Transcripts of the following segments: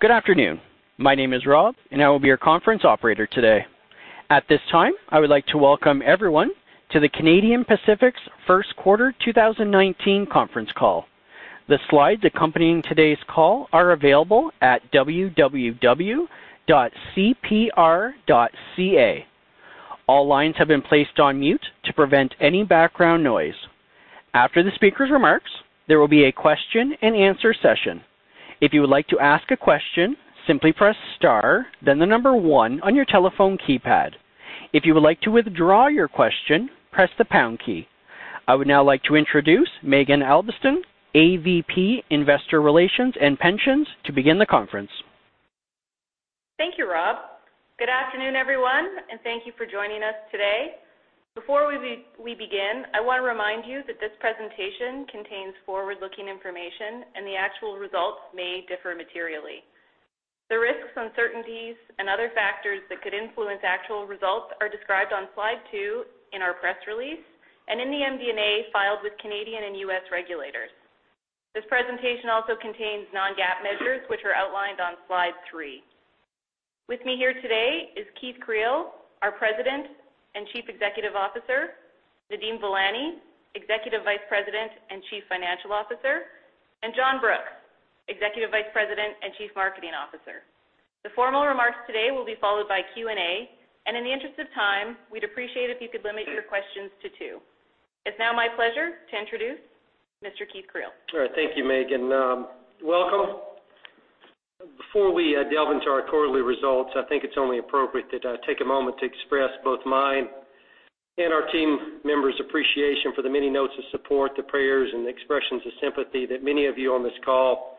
Good afternoon. My name is Rob, and I will be your conference operator today. At this time, I would like to welcome everyone to Canadian Pacific's first quarter 2019 conference call. The slides accompanying today's call are available at www.cpr.ca. All lines have been placed on mute to prevent any background noise. After the speaker's remarks, there will be a question and answer session. If you would like to ask a question, simply press star then 1 on your telephone keypad. If you would like to withdraw your question, press the pound key. I would now like to introduce Maeghan Albiston, AVP Investor Relations and Pensions, to begin the conference. Thank you, Rob. Good afternoon, everyone, thank you for joining us today. Before we begin, I want to remind you that this presentation contains forward-looking information and the actual results may differ materially. The risks, uncertainties, and other factors that could influence actual results are described on slide two in our press release and in the MD&A filed with Canadian and U.S. regulators. This presentation also contains non-GAAP measures which are outlined on slide three. With me here today is Keith Creel, our President and Chief Executive Officer, Nadeem Velani, Executive Vice President and Chief Financial Officer, and John Brooks, Executive Vice President and Chief Marketing Officer. The formal remarks today will be followed by Q&A, in the interest of time, we'd appreciate if you could limit your questions to two. It's now my pleasure to introduce Mr. Keith Creel. All right. Thank you, Maeghan. Welcome. Before we delve into our quarterly results, I think it's only appropriate that I take a moment to express both mine and our team members' appreciation for the many notes of support, the prayers, and the expressions of sympathy that many of you on this call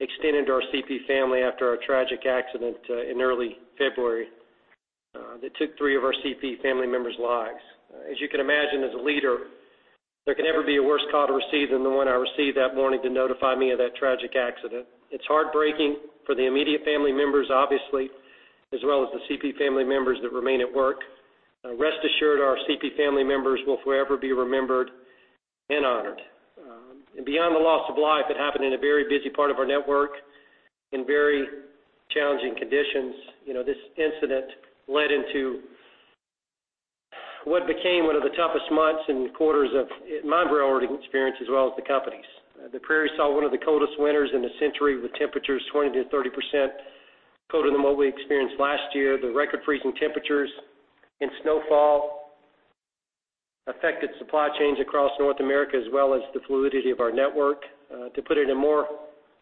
extended to our CP family after our tragic accident in early February, that took three of our CP family members' lives. As you can imagine, as a leader, there could never be a worse call to receive than the one I received that morning to notify me of that tragic accident. It's heartbreaking for the immediate family members, obviously, as well as the CP family members that remain at work. Rest assured our CP family members will forever be remembered and honored. Beyond the loss of life, it happened in a very busy part of our network in very challenging conditions. This incident led into what became one of the toughest months and quarters of my railroading experience, as well as the company's. The prairie saw one of the coldest winters in a century, with temperatures 20%-30% colder than what we experienced last year. The record freezing temperatures and snowfall affected supply chains across North America, as well as the fluidity of our network. To put it in a more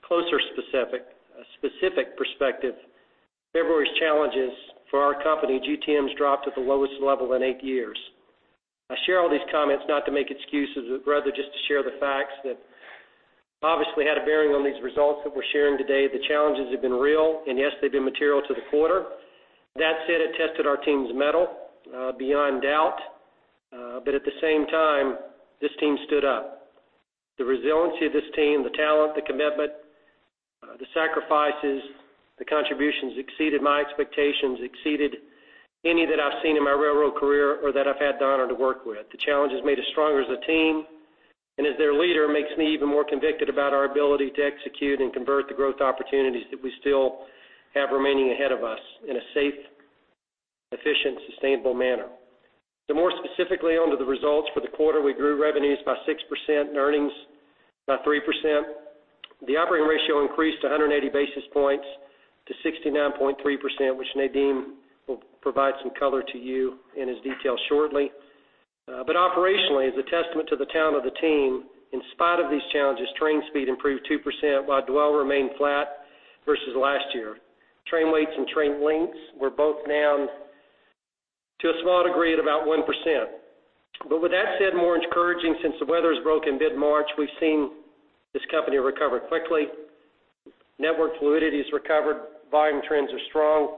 closer specific perspective, February's challenges for our company, GTMs dropped to the lowest level in eight years. I share all these comments not to make excuses, but rather just to share the facts that obviously had a bearing on these results that we're sharing today. The challenges have been real, yes, they've been material to the quarter. it tested our team's mettle beyond doubt. At the same time, this team stood up. The resiliency of this team, the talent, the commitment, the sacrifices, the contributions exceeded my expectations, exceeded any that I've seen in my railroad career or that I've had the honor to work with. The challenge has made us stronger as a team and as their leader makes me even more convicted about our ability to execute and convert the growth opportunities that we still have remaining ahead of us in a safe, efficient, sustainable manner. More specifically, onto the results for the quarter, we grew revenues by 6% and earnings by 3%. The operating ratio increased 180 basis points to 69.3%, which Nadeem will provide some color to you in his detail shortly. Operationally, as a testament to the talent of the team, in spite of these challenges, train speed improved 2% while dwell remained flat versus last year. Train weights and train lengths were both down to a small degree at about 1%. More encouraging since the weather has broken mid-March, we've seen this company recover quickly. Network fluidity is recovered. Volume trends are strong.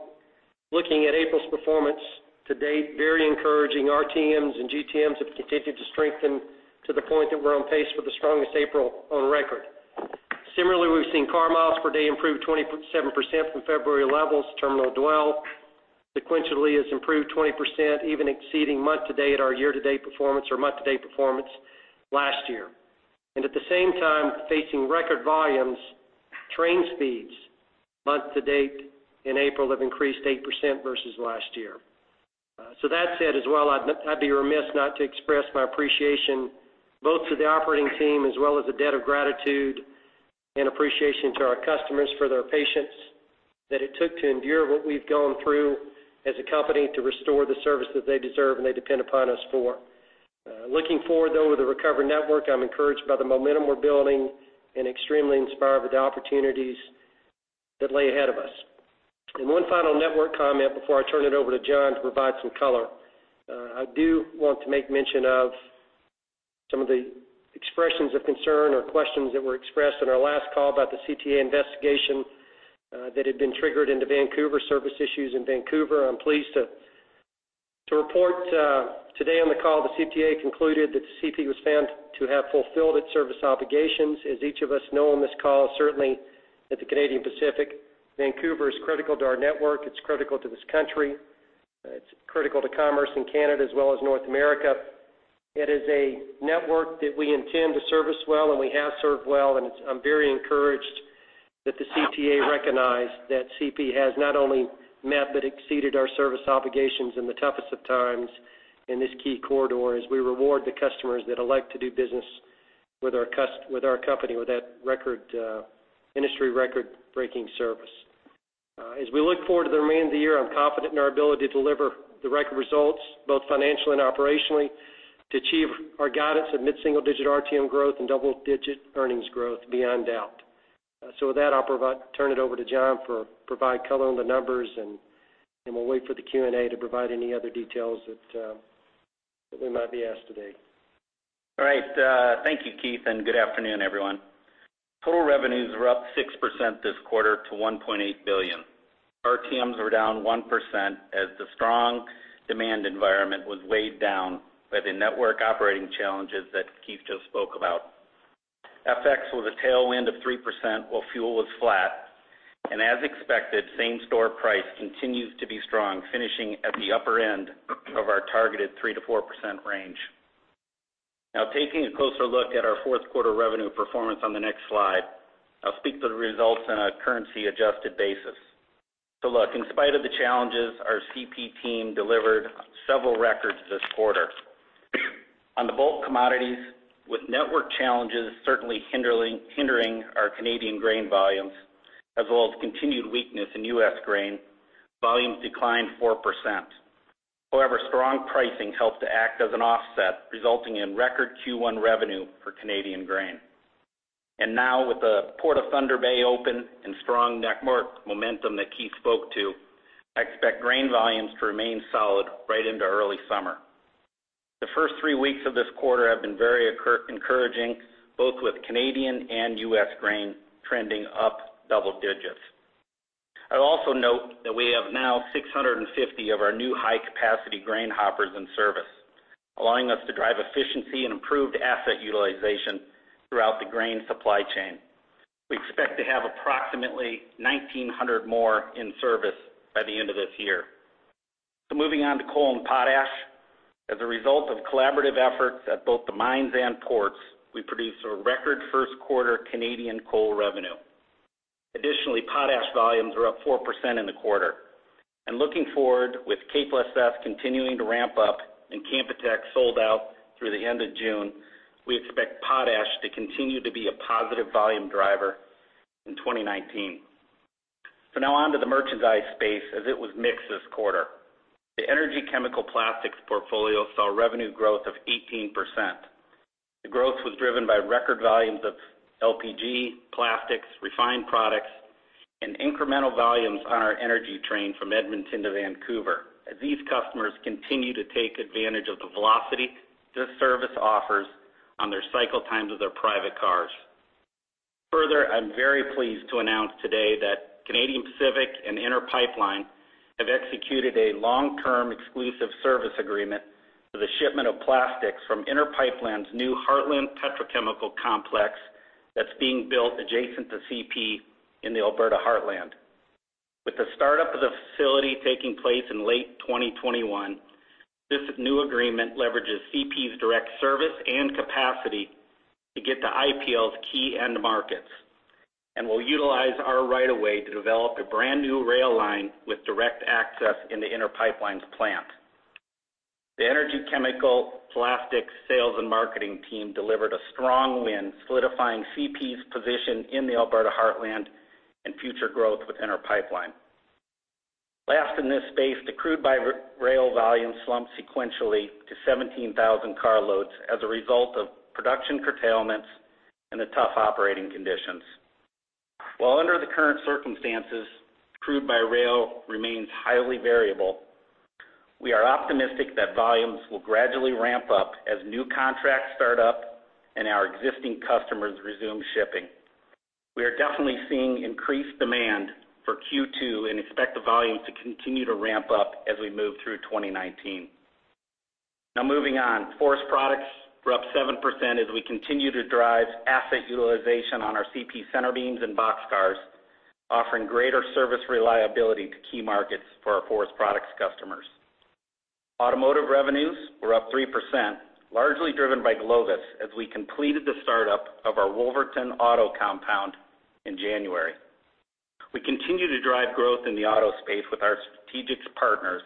Looking at April's performance to date, very encouraging. RTMs and GTMs have continued to strengthen to the point that we're on pace for the strongest April on record. Similarly, we've seen car miles per day improve 27% from February levels. Terminal dwell sequentially has improved 20%, even exceeding month to date our year-to-date performance or month-to-date performance last year. At the same time, facing record volumes, train speeds month to date in April have increased 8% versus last year. I'd be remiss not to express my appreciation both to the operating team as well as a debt of gratitude and appreciation to our customers for their patience that it took to endure what we've gone through as a company to restore the service that they deserve and they depend upon us for. Looking forward, though, with the recovered network, I'm encouraged by the momentum we're building and extremely inspired with the opportunities that lay ahead of us. One final network comment before I turn it over to John to provide some color. I do want to make mention of some of the expressions of concern or questions that were expressed in our last call about the CTA investigation that had been triggered into Vancouver service issues in Vancouver. I'm pleased to report today on the call the CTA concluded that the CP was found to have fulfilled its service obligations. As each of us know on this call, certainly at the Canadian Pacific, Vancouver is critical to our network. It's critical to this country. It's critical to commerce in Canada as well as North America. It is a network that we intend to service well, and we have served well, and I'm very encouraged that the CTA recognized that CP has not only met but exceeded our service obligations in the toughest of times in this key corridor, as we reward the customers that elect to do business with our company, with that industry record-breaking service. As we look forward to the remainder of the year, I'm confident in our ability to deliver the record results, both financially and operationally, to achieve our guidance of mid-single-digit RTM growth and double-digit earnings growth beyond doubt. With that, I'll turn it over to John to provide color on the numbers, and we'll wait for the Q&A to provide any other details that we might be asked today. All right. Thank you, Keith, and good afternoon, everyone. Total revenues were up 6% this quarter to 1.8 billion. RTMs were down 1% as the strong demand environment was weighed down by the network operating challenges that Keith just spoke about. FX was a tailwind of 3% while fuel was flat. As expected, same-store price continues to be strong, finishing at the upper end of our targeted 3%-4% range. Taking a closer look at our fourth quarter revenue performance on the next slide, I'll speak to the results on a currency-adjusted basis. Look, in spite of the challenges, our CP team delivered several records this quarter. On the bulk commodities, with network challenges certainly hindering our Canadian grain volumes as well as continued weakness in U.S. grain, volumes declined 4%. However, strong pricing helped to act as an offset, resulting in record Q1 revenue for Canadian grain. Now, with the Port of Thunder Bay open and strong network momentum that Keith spoke to, I expect grain volumes to remain solid right into early summer. The first three weeks of this quarter have been very encouraging, both with Canadian and U.S. grain trending up double digits. I would also note that we have now 650 of our new high-capacity grain hoppers in service, allowing us to drive efficiency and improved asset utilization throughout the grain supply chain. We expect to have approximately 1,900 more in service by the end of this year. Moving on to coal and potash. As a result of collaborative efforts at both the mines and ports, we produced a record first quarter Canadian coal revenue. Additionally, potash volumes were up 4% in the quarter. Looking forward, with K+S continuing to ramp up and Canpotex sold out through the end of June, we expect potash to continue to be a positive volume driver in 2019. Now on to the merchandise space, as it was mixed this quarter. The energy chemical plastics portfolio saw revenue growth of 18%. The growth was driven by record volumes of LPG, plastics, refined products, and incremental volumes on our energy train from Edmonton to Vancouver, as these customers continue to take advantage of the velocity this service offers on their cycle times with their private cars. Further, I'm very pleased to announce today that Canadian Pacific and Inter Pipeline have executed a long-term exclusive service agreement for the shipment of plastics from Inter Pipeline's new Heartland Petrochemical Complex that's being built adjacent to CP in the Alberta Heartland. With the startup of the facility taking place in late 2021, this new agreement leverages CP's direct service and capacity to get to IPL's key end markets and will utilize our right of way to develop a brand-new rail line with direct access into Inter Pipeline's plant. The energy chemical plastics sales and marketing team delivered a strong win, solidifying CP's position in the Alberta Heartland and future growth within our pipeline. Last in this space, the crude by rail volume slumped sequentially to 17,000 carloads as a result of production curtailments and the tough operating conditions. While under the current circumstances, crude by rail remains highly variable, we are optimistic that volumes will gradually ramp up as new contracts start up and our existing customers resume shipping. We are definitely seeing increased demand for Q2 and expect the volumes to continue to ramp up as we move through 2019. Moving on. Forest products were up 7% as we continue to drive asset utilization on our CP center beams and boxcars, offering greater service reliability to key markets for our forest products customers. Automotive revenues were up 3%, largely driven by GLOVIS, as we completed the startup of our Wolverton auto compound in January. We continue to drive growth in the auto space with our strategic partners,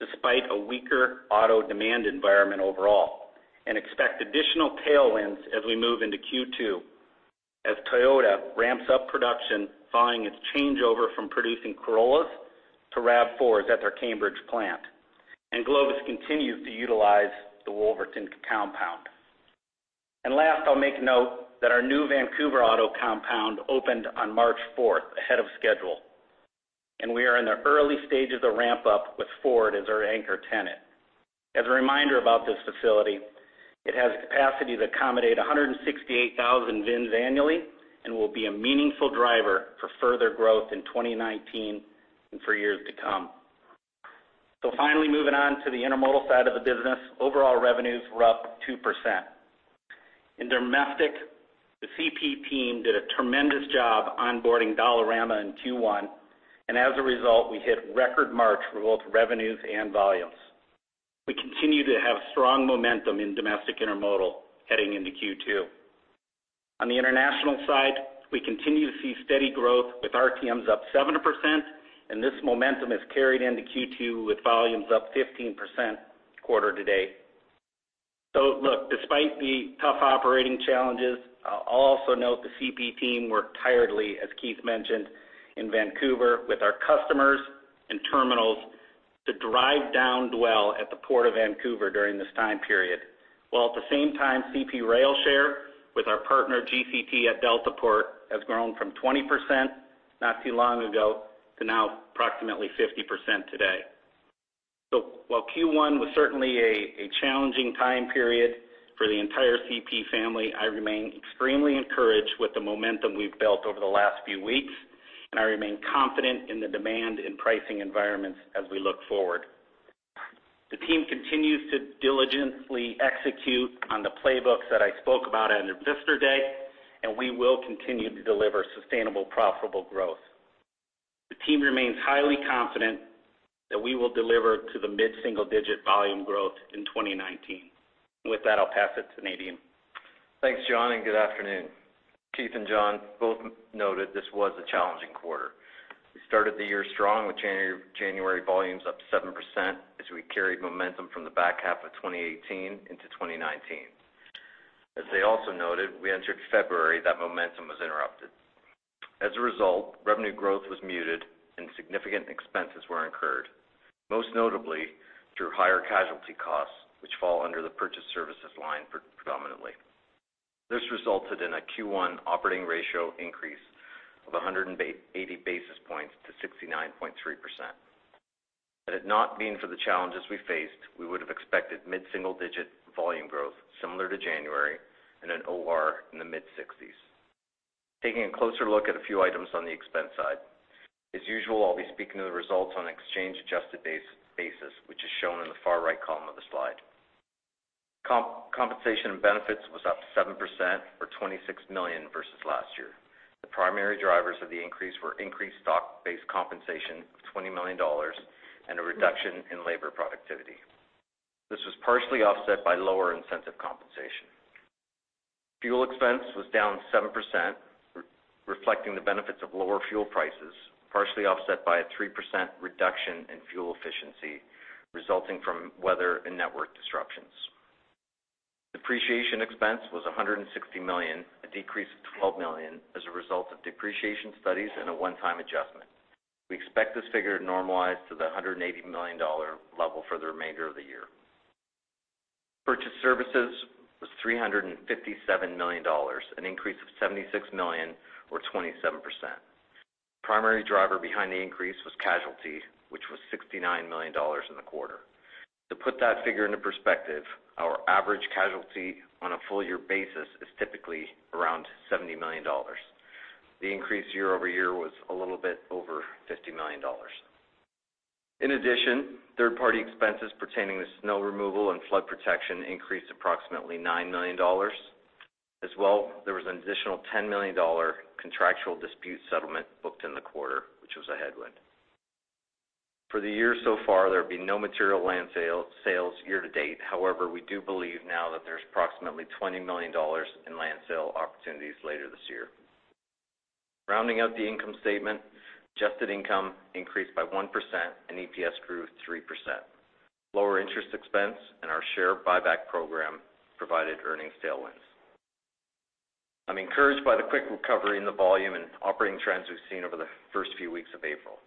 despite a weaker auto demand environment overall, expect additional tailwinds as we move into Q2 as Toyota ramps up production following its changeover from producing Corollas to RAV4s at their Cambridge plant, and GLOVIS continues to utilize the Wolverton compound. Last, I'll make note that our new Vancouver auto compound opened on March 4th, ahead of schedule, and we are in the early stages of ramp up with Ford as our anchor tenant. As a reminder about this facility, it has capacity to accommodate 168,000 VINs annually and will be a meaningful driver for further growth in 2019 and for years to come. Finally, moving on to the intermodal side of the business, overall revenues were up 2%. In domestic, the CP team did a tremendous job onboarding Dollarama in Q1, and as a result, we hit record March for both revenues and volumes. We continue to have strong momentum in domestic intermodal heading into Q2. On the international side, we continue to see steady growth with RTMs up 7%, and this momentum has carried into Q2 with volumes up 15% quarter to date. Look, despite the tough operating challenges, I'll also note the CP team worked tirelessly, as Keith mentioned, in Vancouver with our customers and terminals to drive down dwell at the Port of Vancouver during this time period, while at the same time, CP rail share with our partner GCT at Delta Port has grown from 20% not too long ago to now approximately 50% today. While Q1 was certainly a challenging time period for the entire CP family, I remain extremely encouraged with the momentum we've built over the last few weeks, and I remain confident in the demand in pricing environments as we look forward. The team continues to diligently execute on the playbooks that I spoke about on Investor Day, and we will continue to deliver sustainable, profitable growth. The team remains highly confident that we will deliver to the mid-single-digit volume growth in 2019. With that, I'll pass it to Nadeem. Thanks, John, and good afternoon. Keith and John both noted this was a challenging quarter. We started the year strong with January volumes up 7% as we carried momentum from the back half of 2018 into 2019. As they also noted, we entered February, that momentum was interrupted. As a result, revenue growth was muted and significant expenses were incurred, most notably through higher casualty costs, which fall under the purchased services line predominantly. This resulted in a Q1 operating ratio increase of 180 basis points to 69.3%. Had it not been for the challenges we faced, we would have expected mid-single-digit volume growth similar to January and an OR in the mid-60s. Taking a closer look at a few items on the expense side. As usual, I'll be speaking to the results on an exchange-adjusted basis, which is shown in the far right column of the slide. Compensation and benefits were up 7% or 26 million versus last year. The primary drivers of the increase were increased stock-based compensation of 20 million dollars and a reduction in labor productivity. This was partially offset by lower incentive compensation. Fuel expense was down 7%, reflecting the benefits of lower fuel prices, partially offset by a 3% reduction in fuel efficiency resulting from weather and network disruptions. Depreciation expense was 160 million, a decrease of 12 million as a result of depreciation studies and a one-time adjustment. We expect this figure to normalize to the 180 million dollar level for the remainder of the year. Purchased services was 357 million dollars, an increase of 76 million or 27%. The primary driver behind the increase was casualty, which was 69 million dollars in the quarter. To put that figure into perspective, our average casualty on a full year basis is typically around 70 million dollars. The increase year-over-year was a little bit over 50 million dollars. In addition, third-party expenses pertaining to snow removal and flood protection increased approximately 9 million dollars. As well, there was an additional 10 million dollar contractual dispute settlement booked in the quarter, which was a headwind. For the year so far, there have been no material land sales year to date. However, we do believe now that there's approximately 20 million dollars in land sale opportunities later this year. Rounding out the income statement, adjusted income increased by 1% and EPS grew 3%. Lower interest expense and our share buyback program provided earnings tailwinds. I'm encouraged by the quick recovery in the volume and operating trends we've seen over the first few weeks of April.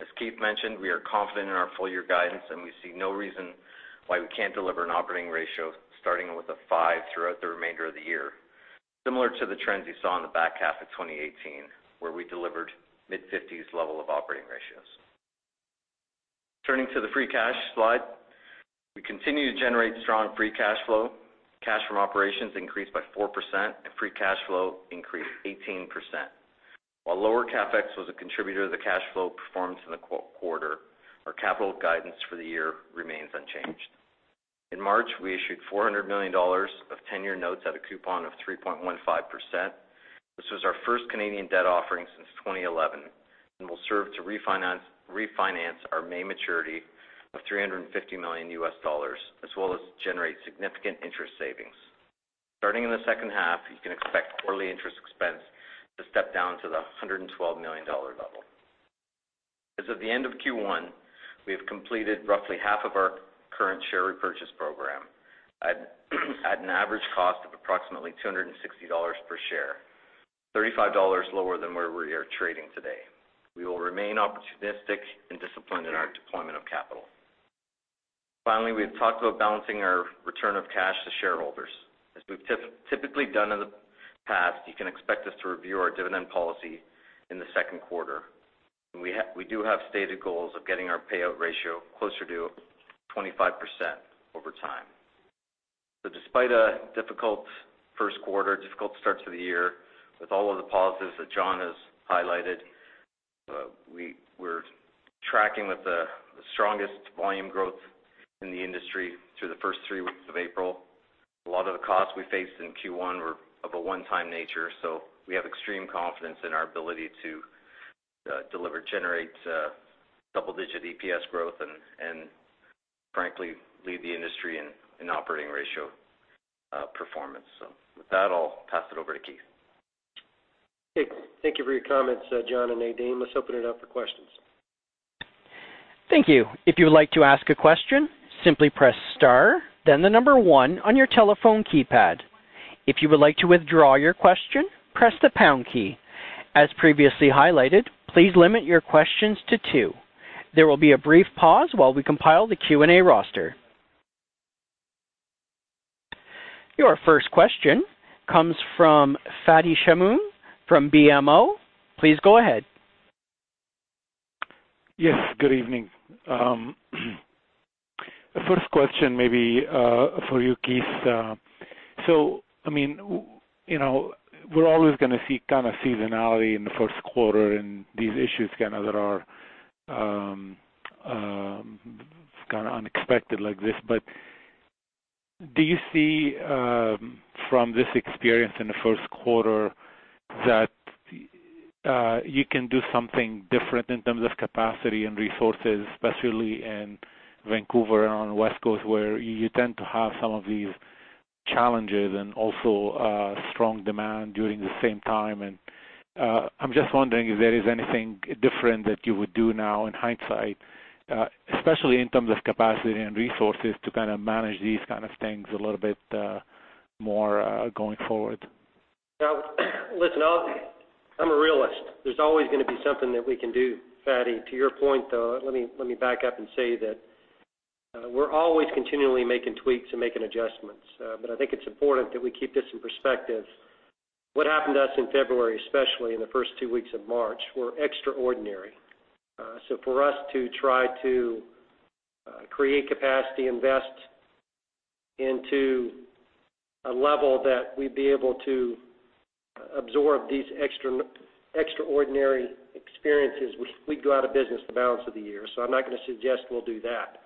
As Keith mentioned, we are confident in our full-year guidance, and we see no reason why we can't deliver an operating ratio starting with a five throughout the remainder of the year. Similar to the trends you saw in the back half of 2018, where we delivered mid-50s level of operating ratios. Turning to the free cash slide. We continue to generate strong free cash flow. Cash from operations increased by 4%, and free cash flow increased 18%. While lower CapEx was a contributor to the cash flow performance in the quarter, our capital guidance for the year remains unchanged. In March, we issued 400 million dollars of tenure notes at a coupon of 3.15%. This was our first Canadian debt offering since 2011 and will serve to refinance our main maturity of $350 million US, as well as generate significant interest savings. Starting in the second half, you can expect quarterly interest expense to step down to the 112 million dollar level. As of the end of Q1, we have completed roughly half of our current share repurchase program at an average cost of approximately 260 dollars per share, 35 dollars lower than where we are trading today. We will remain opportunistic and disciplined in our deployment of capital. We have talked about balancing our return of cash to shareholders. As we've typically done in the past, you can expect us to review our dividend policy in the second quarter. We do have stated goals of getting our payout ratio closer to 25% over time. Despite a difficult first quarter, difficult start to the year with all of the positives that John has highlighted. We're tracking with the strongest volume growth in the industry through the first three weeks of April. A lot of the costs we faced in Q1 were of a one-time nature, so we have extreme confidence in our ability to generate double-digit EPS growth and frankly, lead the industry in operating ratio performance. With that, I'll pass it over to Keith. Okay. Thank you for your comments, John and Nadeem. Let's open it up for questions. Thank you. If you would like to ask a question, simply press star, then the number one on your telephone keypad. If you would like to withdraw your question, press the pound key. As previously highlighted, please limit your questions to two. There will be a brief pause while we compile the Q&A roster. Your first question comes from Fadi Chamoun from BMO. Please go ahead. Yes, good evening. First question maybe for you, Keith. We're always going to see seasonality in the first quarter and these issues that are unexpected like this. Do you see from this experience in the first quarter that you can do something different in terms of capacity and resources, especially in Vancouver and on the West Coast, where you tend to have some of these challenges and also strong demand during the same time? I'm just wondering if there is anything different that you would do now in hindsight, especially in terms of capacity and resources to manage these kind of things a little bit more going forward. Listen, I'm a realist. There's always going to be something that we can do. Fadi, to your point, though, let me back up and say that we're always continually making tweaks and making adjustments. I think it's important that we keep this in perspective. What happened to us in February, especially in the first two weeks of March, were extraordinary. For us to try to create capacity, invest into a level that we'd be able to absorb these extraordinary experiences, we'd go out of business the balance of the year. I'm not going to suggest we'll do that.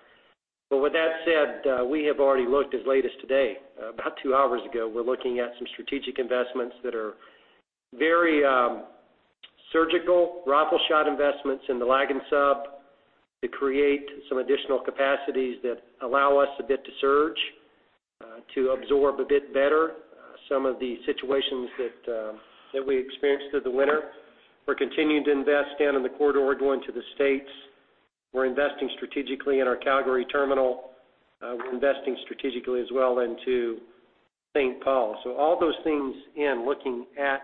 With that said, we have already looked as late as today. About two hours ago, we were looking at some strategic investments that are very surgical, rifle shot investments in the Laggan Sub to create some additional capacities that allow us a bit to surge, to absorb a bit better some of the situations that we experienced through the winter. We're continuing to invest down in the corridor going to the States. We're investing strategically in our Calgary terminal. We're investing strategically as well into St. Paul. All those things in looking at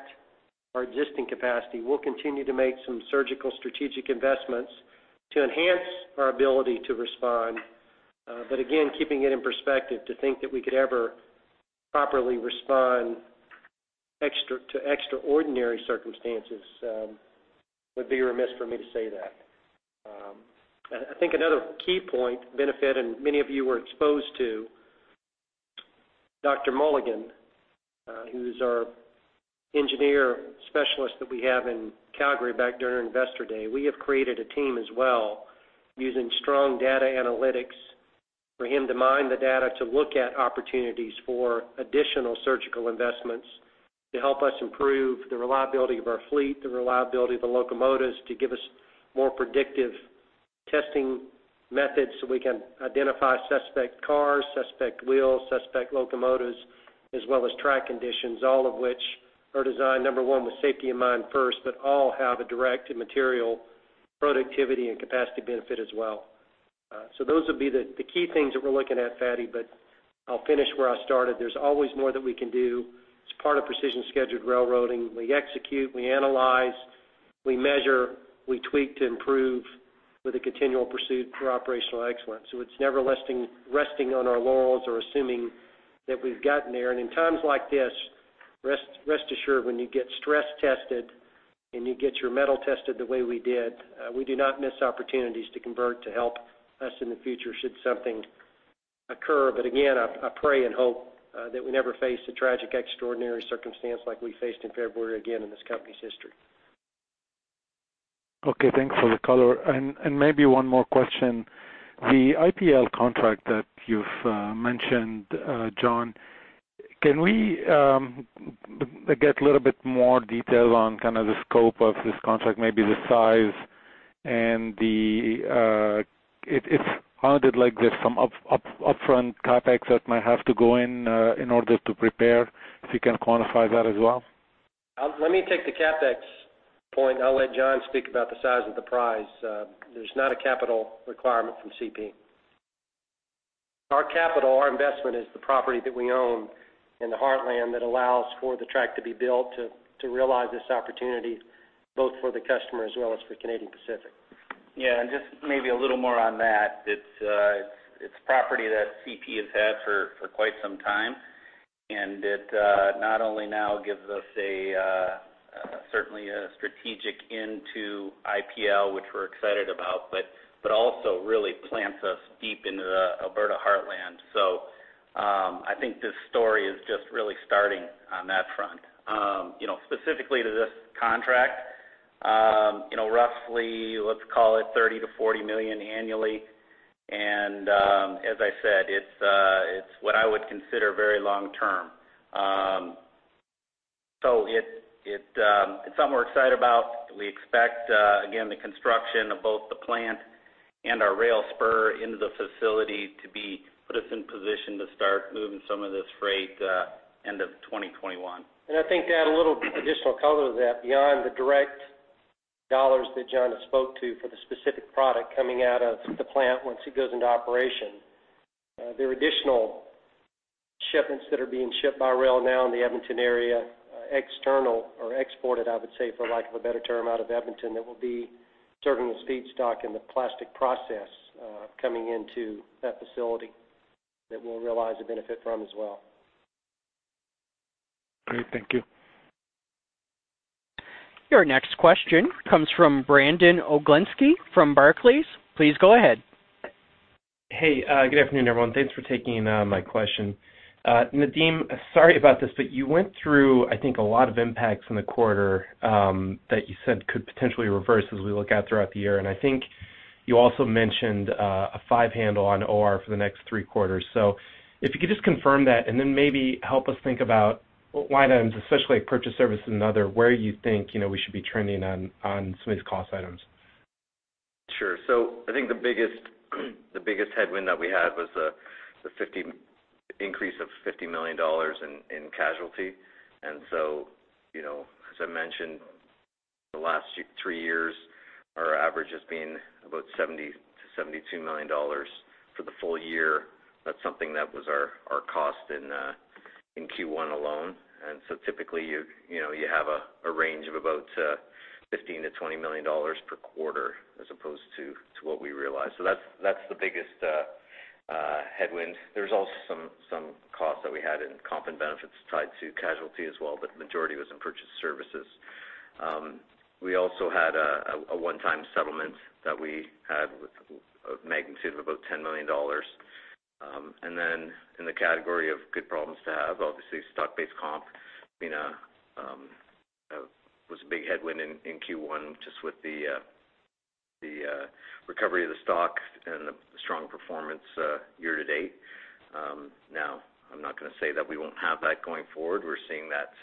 our existing capacity, we'll continue to make some surgical strategic investments to enhance our ability to respond. Again, keeping it in perspective, to think that we could ever properly respond to extraordinary circumstances, would be remiss for me to say that. I think another key point, benefit, many of you were exposed to Dr. Mulligan, who's our engineer specialist that we have in Calgary back during our Investor Day. We have created a team as well, using strong data analytics for him to mine the data to look at opportunities for additional surgical investments to help us improve the reliability of our fleet, the reliability of the locomotives, to give us more predictive testing methods so we can identify suspect cars, suspect wheels, suspect locomotives, as well as track conditions, all of which are designed, number one, with safety in mind first, but all have a direct material productivity and capacity benefit as well. Those would be the key things that we're looking at, Fadi, but I'll finish where I started. There's always more that we can do. It's part of Precision Scheduled Railroading. We execute, we analyze, we measure, we tweak to improve with a continual pursuit for operational excellence. It's never resting on our laurels or assuming that we've gotten there. In times like this, rest assured when you get stress tested and you get your mettle tested the way we did, we do not miss opportunities to convert to help us in the future should something occur. Again, I pray and hope that we never face a tragic, extraordinary circumstance like we faced in February again in this company's history. Okay, thanks for the color. Maybe one more question. The IPL contract that you've mentioned, John, can we get a little bit more detail on the scope of this contract, maybe the size, and if it's funded like there's some upfront CapEx that might have to go in in order to prepare, if you can quantify that as well? Let me take the CapEx point. I'll let John speak about the size of the prize. There's not a capital requirement from CP. Our capital, our investment is the property that we own in the Heartland that allows for the track to be built to realize this opportunity, both for the customer as well as for Canadian Pacific. Yeah, just maybe a little more on that. It's property that CP has had for quite some time. It not only now gives us certainly a strategic into IPL, which we're excited about, but also really plants us deep into the Alberta Heartland. So I think this story is just really starting on that front. Specifically to this contract, roughly, let's call it 30 million to 40 million annually. As I said, it's what I would consider very long-term. It's something we're excited about. We expect, again, the construction of both the plant and our rail spur into the facility to put us in position to start moving some of this freight end of 2021. I think to add a little additional color to that, beyond the direct dollars that John has spoke to for the specific product coming out of the plant once it goes into operation, there are additional shipments that are being shipped by rail now in the Edmonton area, external or exported, I would say, for lack of a better term, out of Edmonton, that will be serving as feedstock in the plastic process, coming into that facility, that we'll realize a benefit from as well. Great. Thank you. Your next question comes from Brandon Oglenski from Barclays. Please go ahead. Hey. Good afternoon, everyone. Thanks for taking my question. Nadeem, sorry about this, you went through, I think, a lot of impacts in the quarter that you said could potentially reverse as we look out throughout the year. I think you also mentioned a five handle on OR for the next three quarters. If you could just confirm that, then maybe help us think about line items, especially purchase services and other, where you think we should be trending on some of these cost items. Sure. I think the biggest headwind that we had was the increase of 50 million dollars in casualty. As I mentioned, the last three years, our average has been about 70 million-72 million dollars for the full year. That's something that was our cost in Q1 alone. Typically, you have a range of about 15 million-20 million dollars per quarter as opposed to what we realized. That's the biggest headwind. There's also some cost that we had in comp and benefits tied to casualty as well, but the majority was in purchase services. We also had a one-time settlement that we had with a magnitude of about 10 million dollars. In the category of good problems to have, obviously, stock-based comp was a big headwind in Q1, just with the recovery of the stock and the strong performance year to date. Now, I'm not going to say that we won't have that going forward. We're seeing that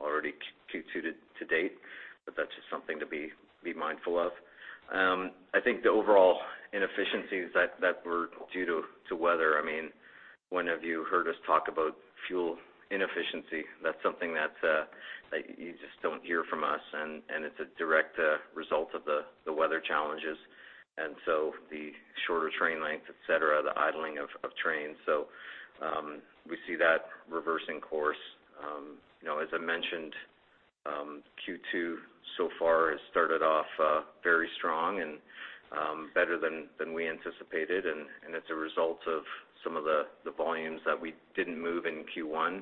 already Q2 to date. That's just something to be mindful of. I think the overall inefficiencies that were due to weather, when have you heard us talk about fuel inefficiency? That's something that you just don't hear from us, and it's a direct result of the weather challenges. The shorter train lengths, et cetera, the idling of trains. We see that reversing course. As I mentioned, Q2 so far has started off very strong and better than we anticipated. It's a result of some of the volumes that we didn't move in Q1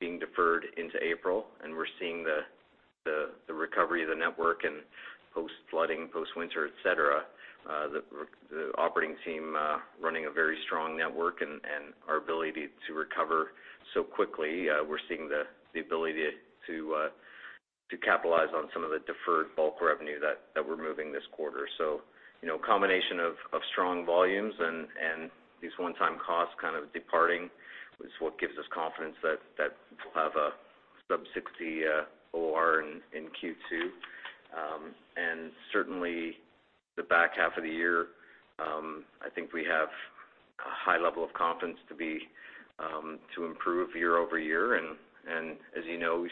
being deferred into April. We're seeing the recovery of the network and post-flooding, post-winter, et cetera, the operating team running a very strong network and our ability to recover so quickly. We're seeing the ability to capitalize on some of the deferred bulk revenue that we're moving this quarter. A combination of strong volumes and these one-time costs departing is what gives us confidence that we'll have a sub 60 OR in Q2. Certainly, the back half of the year, I think we have a high level of confidence to improve year-over-year. As you know,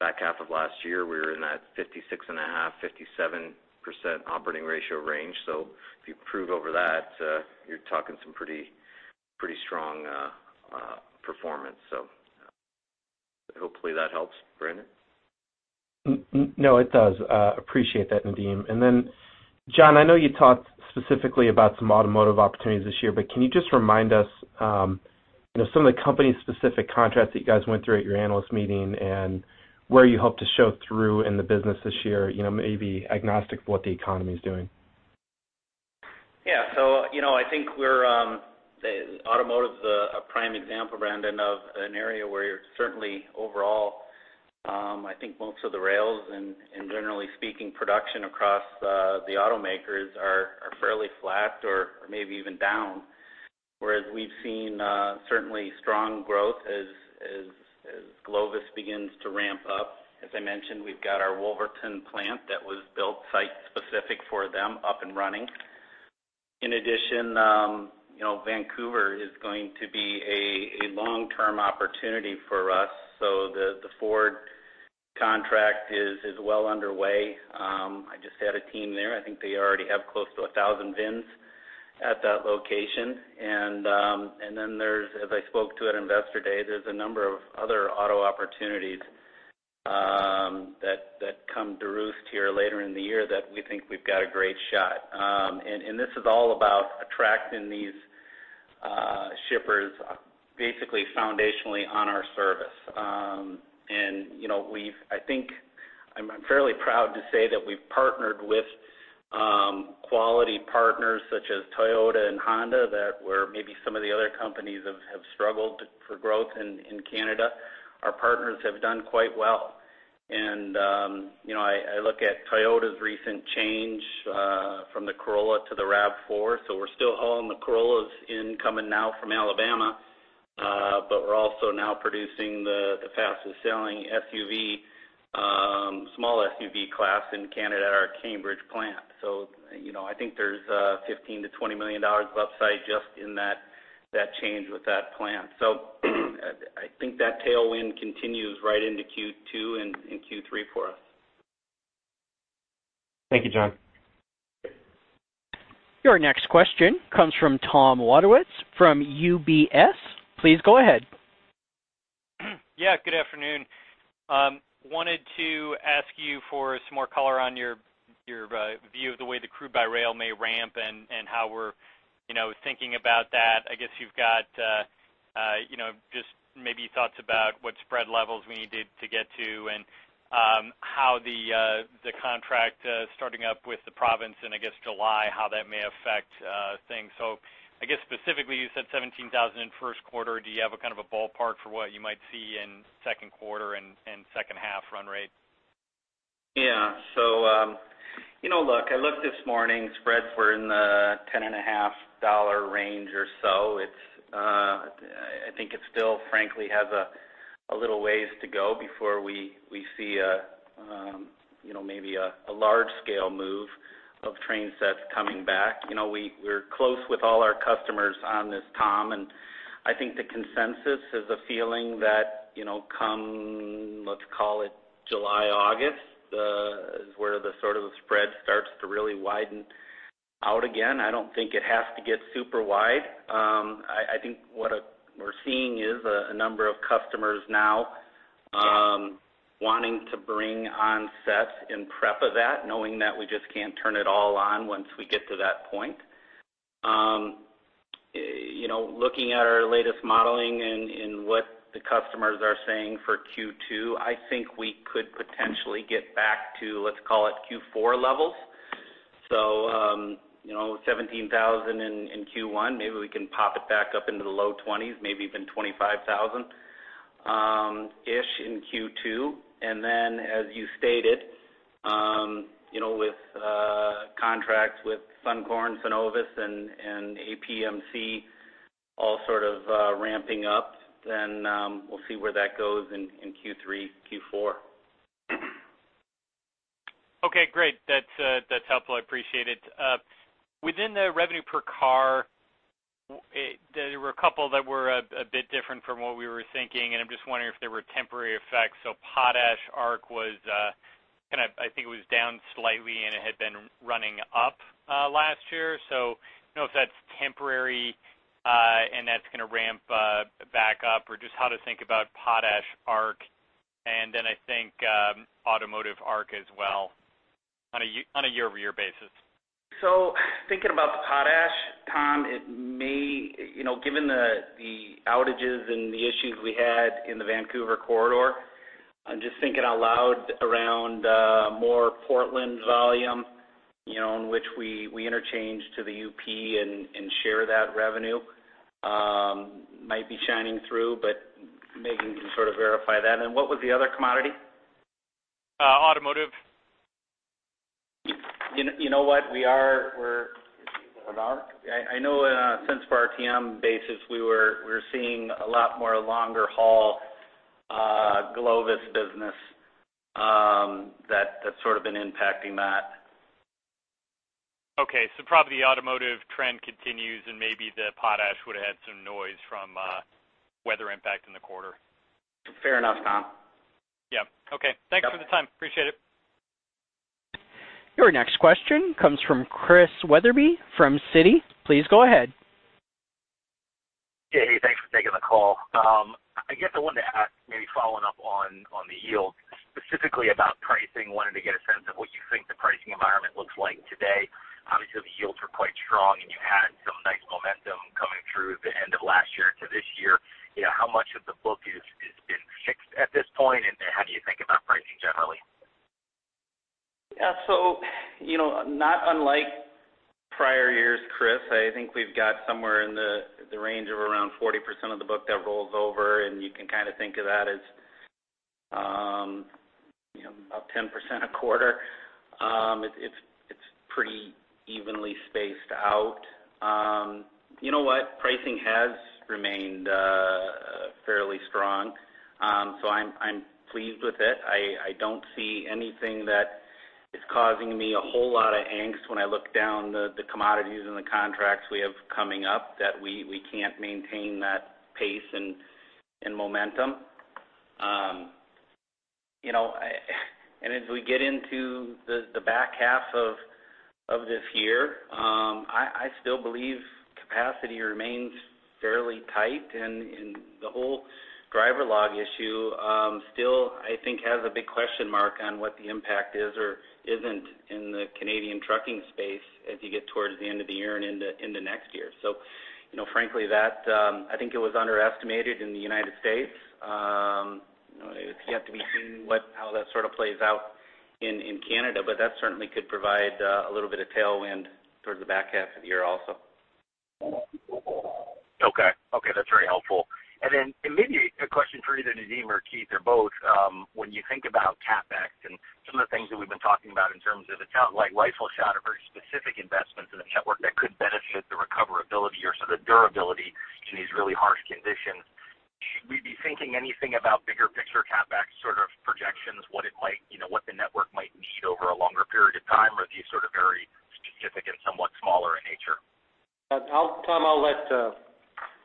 back half of last year, we were in that 56.5%-57% operating ratio range. If you improve over that, you're talking some pretty strong performance. Hopefully that helps, Brandon. No, it does. Appreciate that, Nadeem. John, I know you talked specifically about some automotive opportunities this year, can you just remind us some of the company's specific contracts that you guys went through at your analyst meeting and where you hope to show through in the business this year, maybe agnostic of what the economy's doing? I think automotive's a prime example, Brandon, of an area where certainly overall, I think most of the rails, generally speaking, production across the automakers are fairly flat or maybe even down. Whereas we've seen certainly strong growth as GLOVIS begins to ramp up. As I mentioned, we've got our Wolverton plant that was built site specific for them up and running. In addition, Vancouver is going to be a long-term opportunity for us. The Ford contract is well underway. I just had a team there. I think they already have close to 1,000 VINs at that location. As I spoke to at Investor Day, there's a number of other auto opportunities that come to roost here later in the year that we think we've got a great shot. This is all about attracting these shippers, basically foundationally on our service. I'm fairly proud to say that we've partnered with Quality partners such as Toyota and Honda that where maybe some of the other companies have struggled for growth in Canada, our partners have done quite well. I look at Toyota's recent change from the Corolla to the RAV4. We're still hauling the Corollas in coming now from Alabama. We're also now producing the fastest selling small SUV class in Canada at our Cambridge plant. I think there's 15 million-20 million dollars of upside just in that change with that plant. I think that tailwind continues right into Q2 and Q3 for us. Thank you, John. Your next question comes from Thomas Wadewitz from UBS. Please go ahead. Yeah, good afternoon. Wanted to ask you for some more color on your view of the way the crude by rail may ramp and how we're thinking about that. I guess you've got just maybe thoughts about what spread levels we needed to get to and how the contract starting up with the province in, I guess, July, how that may affect things. I guess specifically, you said 17,000 in first quarter. Do you have a ballpark for what you might see in second quarter and second half run rate? Yeah. I looked this morning, spreads were in the 10.50 dollar range or so. I think it still frankly has a little ways to go before we see maybe a large scale move of train sets coming back. We're close with all our customers on this, Tom, and I think the consensus is a feeling that come, let's call it July, August, is where the sort of spread starts to really widen out again. I don't think it has to get super wide. I think what we're seeing is a number of customers now wanting to bring on sets in prep of that, knowing that we just can't turn it all on once we get to that point. Looking at our latest modeling and what the customers are saying for Q2, I think we could potentially get back to, let's call it Q4 levels. 17,000 in Q1, maybe we can pop it back up into the low 20s, maybe even 25,000-ish in Q2. As you stated, with contracts with Suncor, Cenovus and APMC all sort of ramping up, then we'll see where that goes in Q3, Q4. Okay, great. That's helpful. I appreciate it. Within the revenue per car, there were a couple that were a bit different from what we were thinking, and I'm just wondering if there were temporary effects. Potash ARC was, I think it was down slightly, and it had been running up last year. I don't know if that's temporary, and that's going to ramp back up or just how to think about potash ARC, and then I think automotive ARC as well on a year-over-year basis. Thinking about the potash, Tom, given the outages and the issues we had in the Vancouver corridor, I'm just thinking out loud around more Portland volume, in which we interchange to the UP and share that revenue might be shining through, but Maeghan can sort of verify that. What was the other commodity? Automotive. You know what? We, I know since for RTM basis, we're seeing a lot more longer haul GLOVIS business that's sort of been impacting that. Okay. Probably the automotive trend continues, and maybe the potash would've had some noise from weather impact in the quarter. Fair enough, Tom. Yeah. Okay. Thanks for the time. Appreciate it. Your next question comes from Chris Wetherbee from Citi. Please go ahead. Thanks for taking the call. I guess I wanted to ask, maybe following up on the yield, specifically about pricing. Wanted to get a sense of what you think the pricing environment looks like today. Obviously, the yields were quite strong, and you had some nice momentum coming through the end of last year to this year. How much of the book has been fixed at this point? How do you think about pricing generally? Yeah. Not unlike prior years, Chris, I think we've got somewhere in the range of around 40% of the book that rolls over, and you can kind of think of that as about 10% a quarter. It's pretty evenly spaced out. You know what? Pricing has remained fairly strong. I'm pleased with it. I don't see anything that is causing me a whole lot of angst when I look down the commodities and the contracts we have coming up that we can't maintain that pace and momentum. As we get into the back half of this year, I still believe capacity remains fairly tight, and the whole driver log issue still I think has a big question mark on what the impact is or isn't in the Canadian trucking space as you get towards the end of the year and into next year. Frankly, I think it was underestimated in the U.S. It's yet to be seen how that sort of plays out in Canada, that certainly could provide a little bit of tailwind towards the back half of the year also. Okay. That's very helpful. Immediately, a question for either Nadeem or Keith or both. When you think about CapEx and some of the things that we've been talking about in terms of account, like rifle shot or very specific investments in the network that could benefit the recoverability or sort of durability in these really harsh conditions, should we be thinking anything about bigger picture CapEx sort of projections, what the network might need over a longer period of time? Or are these sort of very specific and somewhat smaller in nature? Tom, I'll let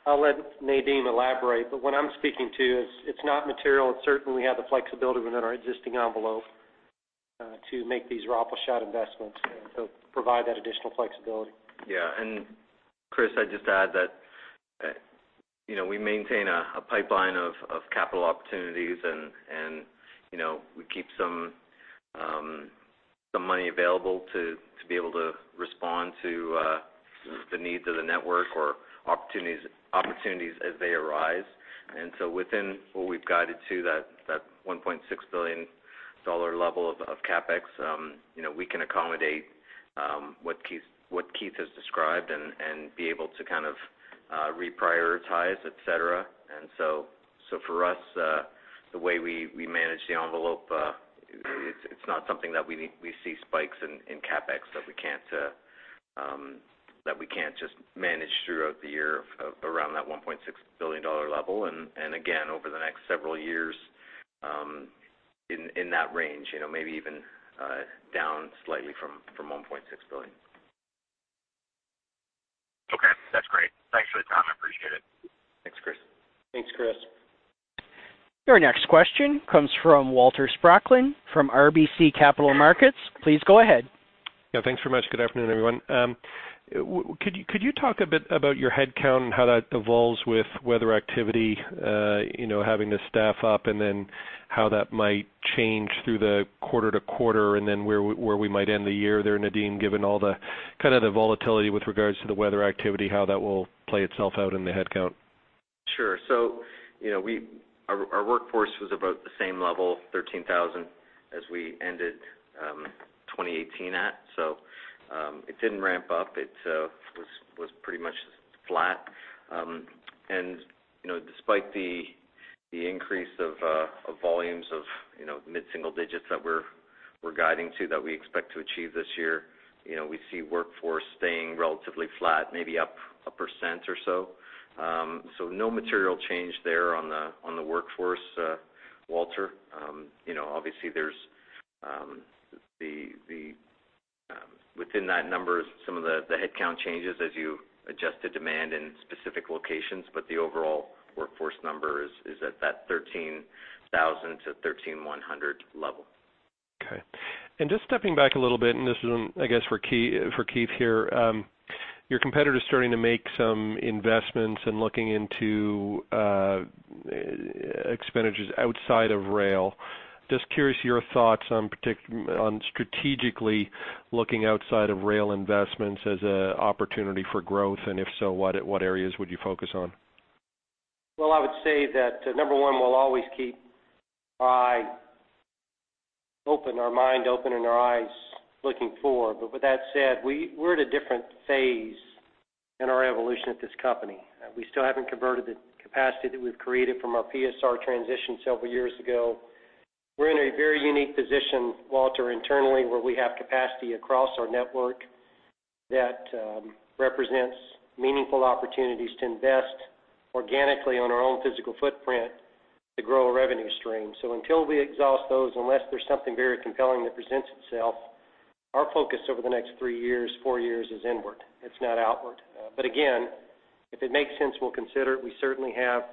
Nadeem elaborate, what I'm speaking to is it's not material. Certainly, we have the flexibility within our existing envelope to make these rifle shot investments and to provide that additional flexibility. Yeah. Chris, I'd just add that we maintain a pipeline of capital opportunities and we keep some money available to be able to respond to the needs of the network or opportunities as they arise. So within what we've guided to that 1.6 billion dollar level of CapEx, we can accommodate what Keith has described and be able to kind of reprioritize, et cetera. For us, the way we manage the envelope, it's not something that we see spikes in CapEx that we can't just manage throughout the year of around that 1.6 billion dollar level, and again, over the next several years, in that range, maybe even down slightly from 1.6 billion. Okay. That's great. Thanks for the time. I appreciate it. Thanks, Chris. Thanks, Chris. Your next question comes from Walter Spracklin from RBC Capital Markets. Please go ahead. Yeah, thanks very much. Good afternoon, everyone. Could you talk a bit about your headcount and how that evolves with weather activity, having to staff up, and then how that might change through the quarter-to-quarter, and then where we might end the year there, Nadeem, given all the kind of the volatility with regards to the weather activity, how that will play itself out in the headcount? Our workforce was about the same level, 13,000 as we ended 2018 at. It didn't ramp up. It was pretty much flat. Despite the increase of volumes of mid-single digits that we're guiding to, that we expect to achieve this year, we see workforce staying relatively flat, maybe up a percent or so. No material change there on the workforce, Walter. Obviously within that number some of the headcount changes as you adjust to demand in specific locations, but the overall workforce number is at that 13,000 to 13,100 level. Okay. Just stepping back a little bit, and this is I guess for Keith here. Your competitor's starting to make some investments and looking into expenditures outside of rail. Just curious your thoughts on strategically looking outside of rail investments as a opportunity for growth, and if so, what areas would you focus on? Well, I would say that number one, we'll always keep our mind open and our eyes looking forward. With that said, we're at a different phase in our evolution at this company. We still haven't converted the capacity that we've created from our PSR transition several years ago. We're in a very unique position, Walter, internally, where we have capacity across our network that represents meaningful opportunities to invest organically on our own physical footprint to grow a revenue stream. Until we exhaust those, unless there's something very compelling that presents itself, our focus over the next three years, four years, is inward. It's not outward. Again, if it makes sense, we'll consider it. We certainly have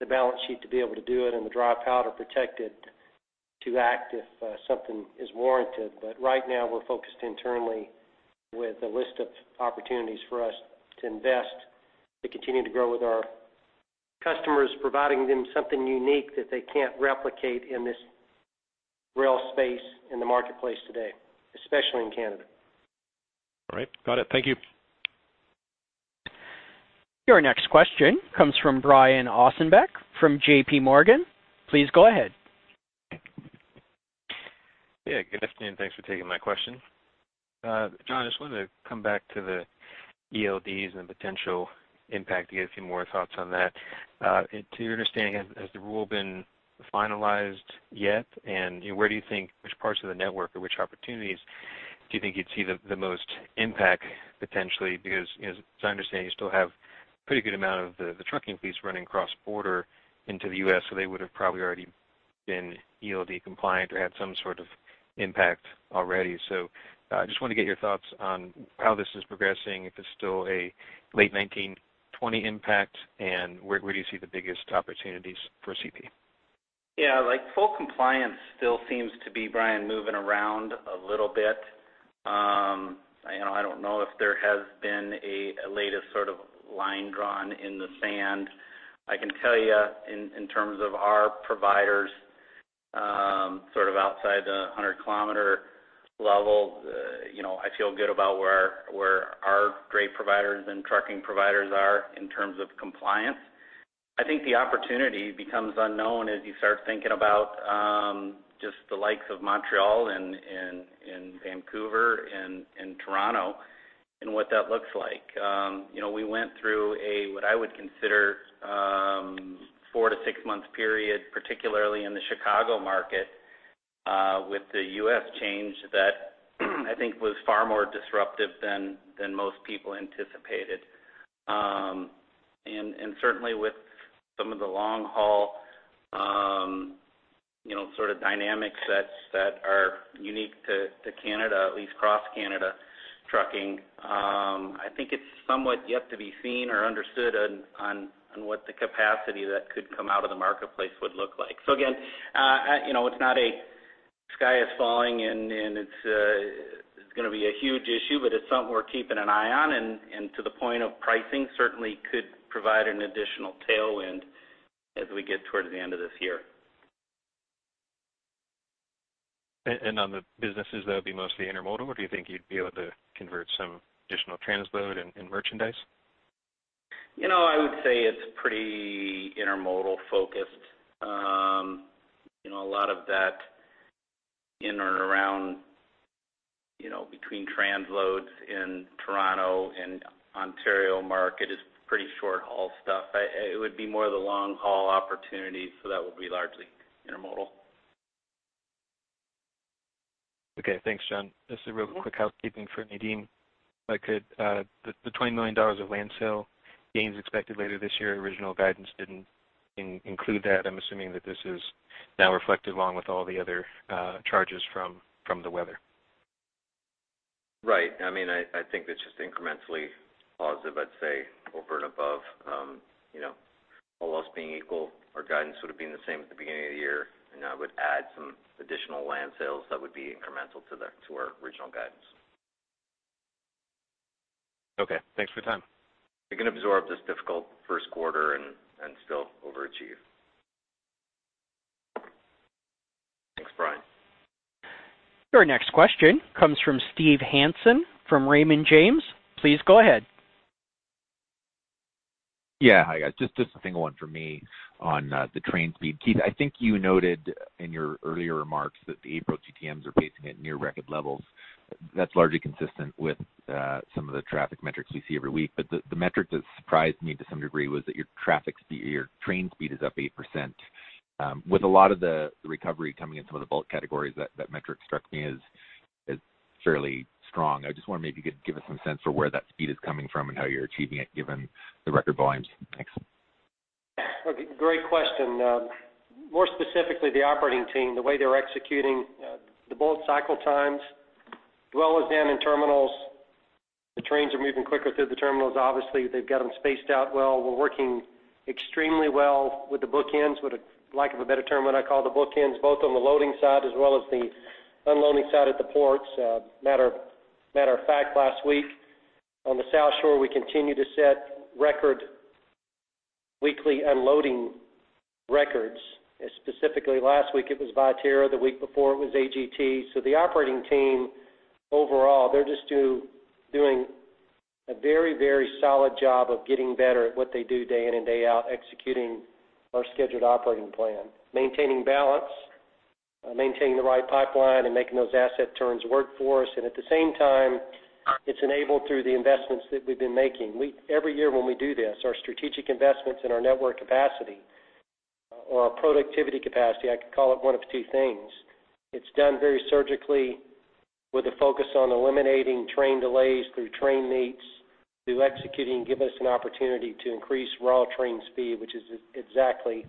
the balance sheet to be able to do it and the dry powder protected to act if something is warranted. Right now, we're focused internally with a list of opportunities for us to invest, to continue to grow with our customers, providing them something unique that they can't replicate in this rail space in the marketplace today, especially in Canada. All right. Got it. Thank you. Your next question comes from Brian Ossenbeck from J.P. Morgan. Please go ahead. Yeah, good afternoon. Thanks for taking my question. John, I just wanted to come back to the ELDs and the potential impact to get a few more thoughts on that. To your understanding, has the rule been finalized yet? Which parts of the network or which opportunities do you think you'd see the most impact potentially? Because as I understand, you still have pretty good amount of the trucking fleets running cross border into the U.S., they would've probably already been ELD compliant or had some sort of impact already. I just want to get your thoughts on how this is progressing, if it's still a late 2019, 2020 impact, and where do you see the biggest opportunities for CP? Yeah. Like full compliance still seems to be, Brian, moving around a little bit. I don't know if there has been a latest sort of line drawn in the sand. Sort of outside the 100-kilometer level. I feel good about where our dray providers and trucking providers are in terms of compliance. I think the opportunity becomes unknown as you start thinking about just the likes of Montreal and Vancouver and Toronto and what that looks like. We went through a, what I would consider four to six months period, particularly in the Chicago market, with the U.S. change that I think was far more disruptive than most people anticipated. Certainly with some of the long haul sort of dynamics that are unique to Canada, at least cross Canada trucking, I think it's somewhat yet to be seen or understood on what the capacity that could come out of the marketplace would look like. Again, it's not a sky is falling and it's going to be a huge issue, but it's something we're keeping an eye on, and to the point of pricing, certainly could provide an additional tailwind as we get towards the end of this year. On the businesses, that'll be mostly intermodal, or do you think you'd be able to convert some additional transload and merchandise? I would say it's pretty intermodal focused. A lot of that in or around between transloads in Toronto and Ontario market is pretty short haul stuff. That will be largely intermodal. Okay, thanks, John. Just a real quick housekeeping for Nadeem. The 20 million dollars of land sale gains expected later this year, original guidance didn't include that. I'm assuming that this is now reflected along with all the other charges from the weather. Right. I think that's just incrementally positive, I'd say over and above. All else being equal, our guidance would have been the same at the beginning of the year. I would add some additional land sales that would be incremental to our original guidance. Okay. Thanks for the time. We can absorb this difficult first quarter and still overachieve. Thanks, Brian. Your next question comes from Steve Hansen from Raymond James. Please go ahead. Yeah. Hi, guys. Just a single one for me on the train speed. Keith, I think you noted in your earlier remarks that the April GTMs are pacing at near record levels. That's largely consistent with some of the traffic metrics we see every week. The metric that surprised me to some degree was that your train speed is up 8%. With a lot of the recovery coming in some of the bulk categories, that metric struck me as fairly strong. I just wonder maybe you could give us some sense for where that speed is coming from and how you're achieving it, given the record volumes. Thanks. Okay. Great question. More specifically, the operating team, the way they're executing the bulk cycle times, as well as them in terminals, the trains are moving quicker through the terminals. Obviously, they've got them spaced out well. We're working extremely well with the bookends, with a lack of a better term, what I call the bookends, both on the loading side as well as the unloading side at the ports. Matter of fact, last week on the South Shore, we continued to set record weekly unloading records. Specifically last week it was Viterra, the week before it was AGT. The operating team, overall, they're just doing a very solid job of getting better at what they do day in and day out, executing our scheduled operating plan, maintaining balance, maintaining the right pipeline, and making those asset turns work for us. At the same time, it's enabled through the investments that we've been making. Every year when we do this, our strategic investments in our network capacity or our productivity capacity, I could call it one of two things. It's done very surgically with a focus on eliminating train delays through train meets, through executing, give us an opportunity to increase raw train speed, which is exactly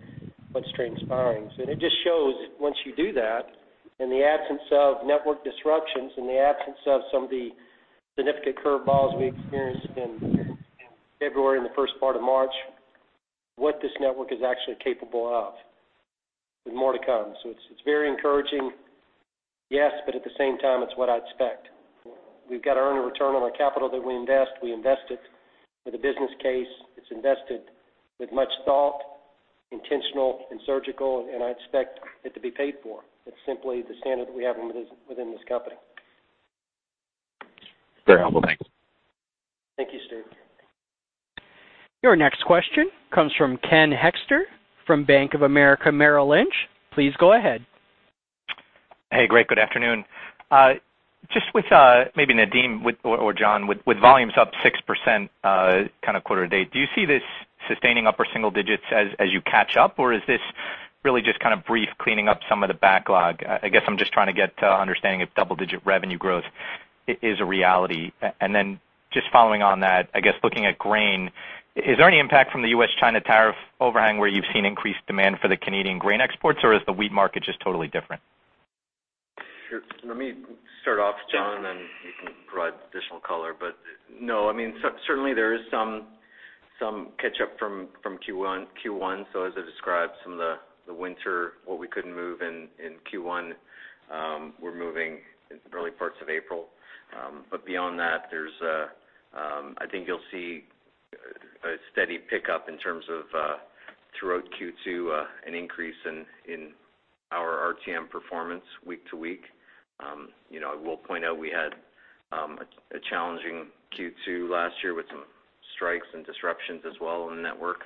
what's transpiring. It just shows once you do that, in the absence of network disruptions, in the absence of some of the significant curveballs we experienced in February and the first part of March, what this network is actually capable of with more to come. It's very encouraging. Yes, at the same time, it's what I expect. We've got to earn a return on our capital that we invest. We invest it with a business case. It's invested with much thought, intentional and surgical. I expect it to be paid for. It's simply the standard that we have within this company. Very helpful. Thanks. Thank you, Steve. Your next question comes from Ken Hoexter from Bank of America Merrill Lynch. Please go ahead. Great. Good afternoon. Maybe Nadeem or John, with volumes up 6% kind of quarter to date, do you see this sustaining upper single digits as you catch up, or is this really just kind of brief cleaning up some of the backlog? I guess I'm just trying to get understanding if double-digit revenue growth is a reality. Just following on that, I guess looking at grain, is there any impact from the U.S.-China tariff overhang where you've seen increased demand for the Canadian grain exports, or is the wheat market just totally different? Sure. Let me start off, John, you can provide additional color. No, certainly there is some catch up from Q1. As I described some of the winter, what we couldn't move in Q1, we're moving in early parts of April. Beyond that, I think you'll see a steady pickup in terms of throughout Q2, an increase in our RTM performance week to week. I will point out we had a challenging Q2 last year with some strikes and disruptions as well on the network.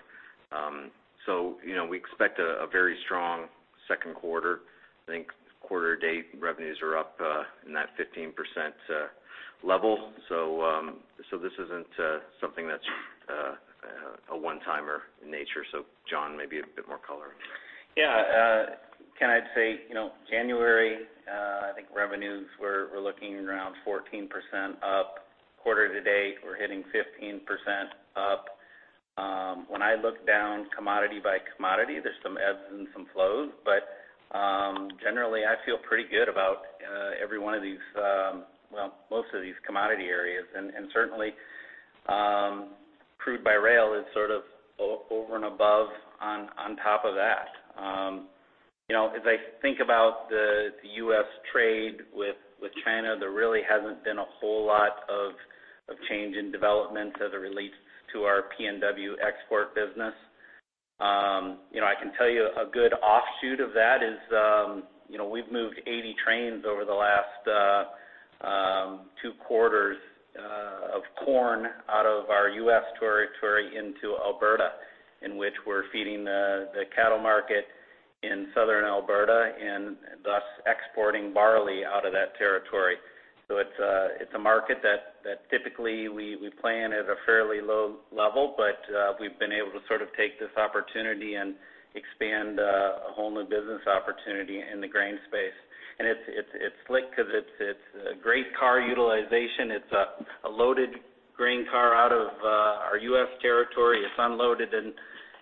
We expect a very strong second quarter. I think quarter to date revenues are up in that 15% level. This isn't something that's a one-timer in nature. John, maybe a bit more color. Yeah. Ken, I'd say, January, I think revenues we're looking around 14% up. Quarter to date, we're hitting 15% up. When I look down commodity by commodity, there's some ebbs and some flows, generally, I feel pretty good about every one of these, well, most of these commodity areas and certainly, crude by rail is sort of over and above on top of that. As I think about the U.S. trade with China, there really hasn't been a whole lot of change in development as it relates to our PNW export business. I can tell you a good offshoot of that is, we've moved 80 trains over the last two quarters of corn out of our U.S. territory into Alberta, in which we're feeding the cattle market in Southern Alberta and thus exporting barley out of that territory. It's a market that typically we plan at a fairly low level, we've been able to take this opportunity and expand a whole new business opportunity in the grain space. It's slick because it's a great car utilization. It's a loaded grain car out of our U.S. territory. It's unloaded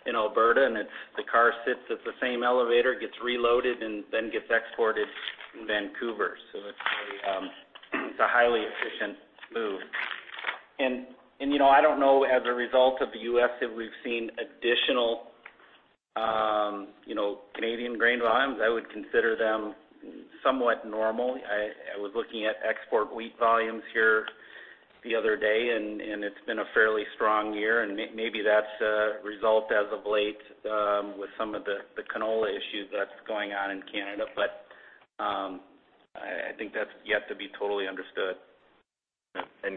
in Alberta and the car sits at the same elevator, gets reloaded, gets exported in Vancouver. It's a highly efficient move. I don't know, as a result of the U.S., if we've seen additional Canadian grain volumes. I would consider them somewhat normal. I was looking at export wheat volumes here the other day, it's been a fairly strong year, maybe that's a result as of late with some of the canola issues that's going on in Canada. I think that's yet to be totally understood.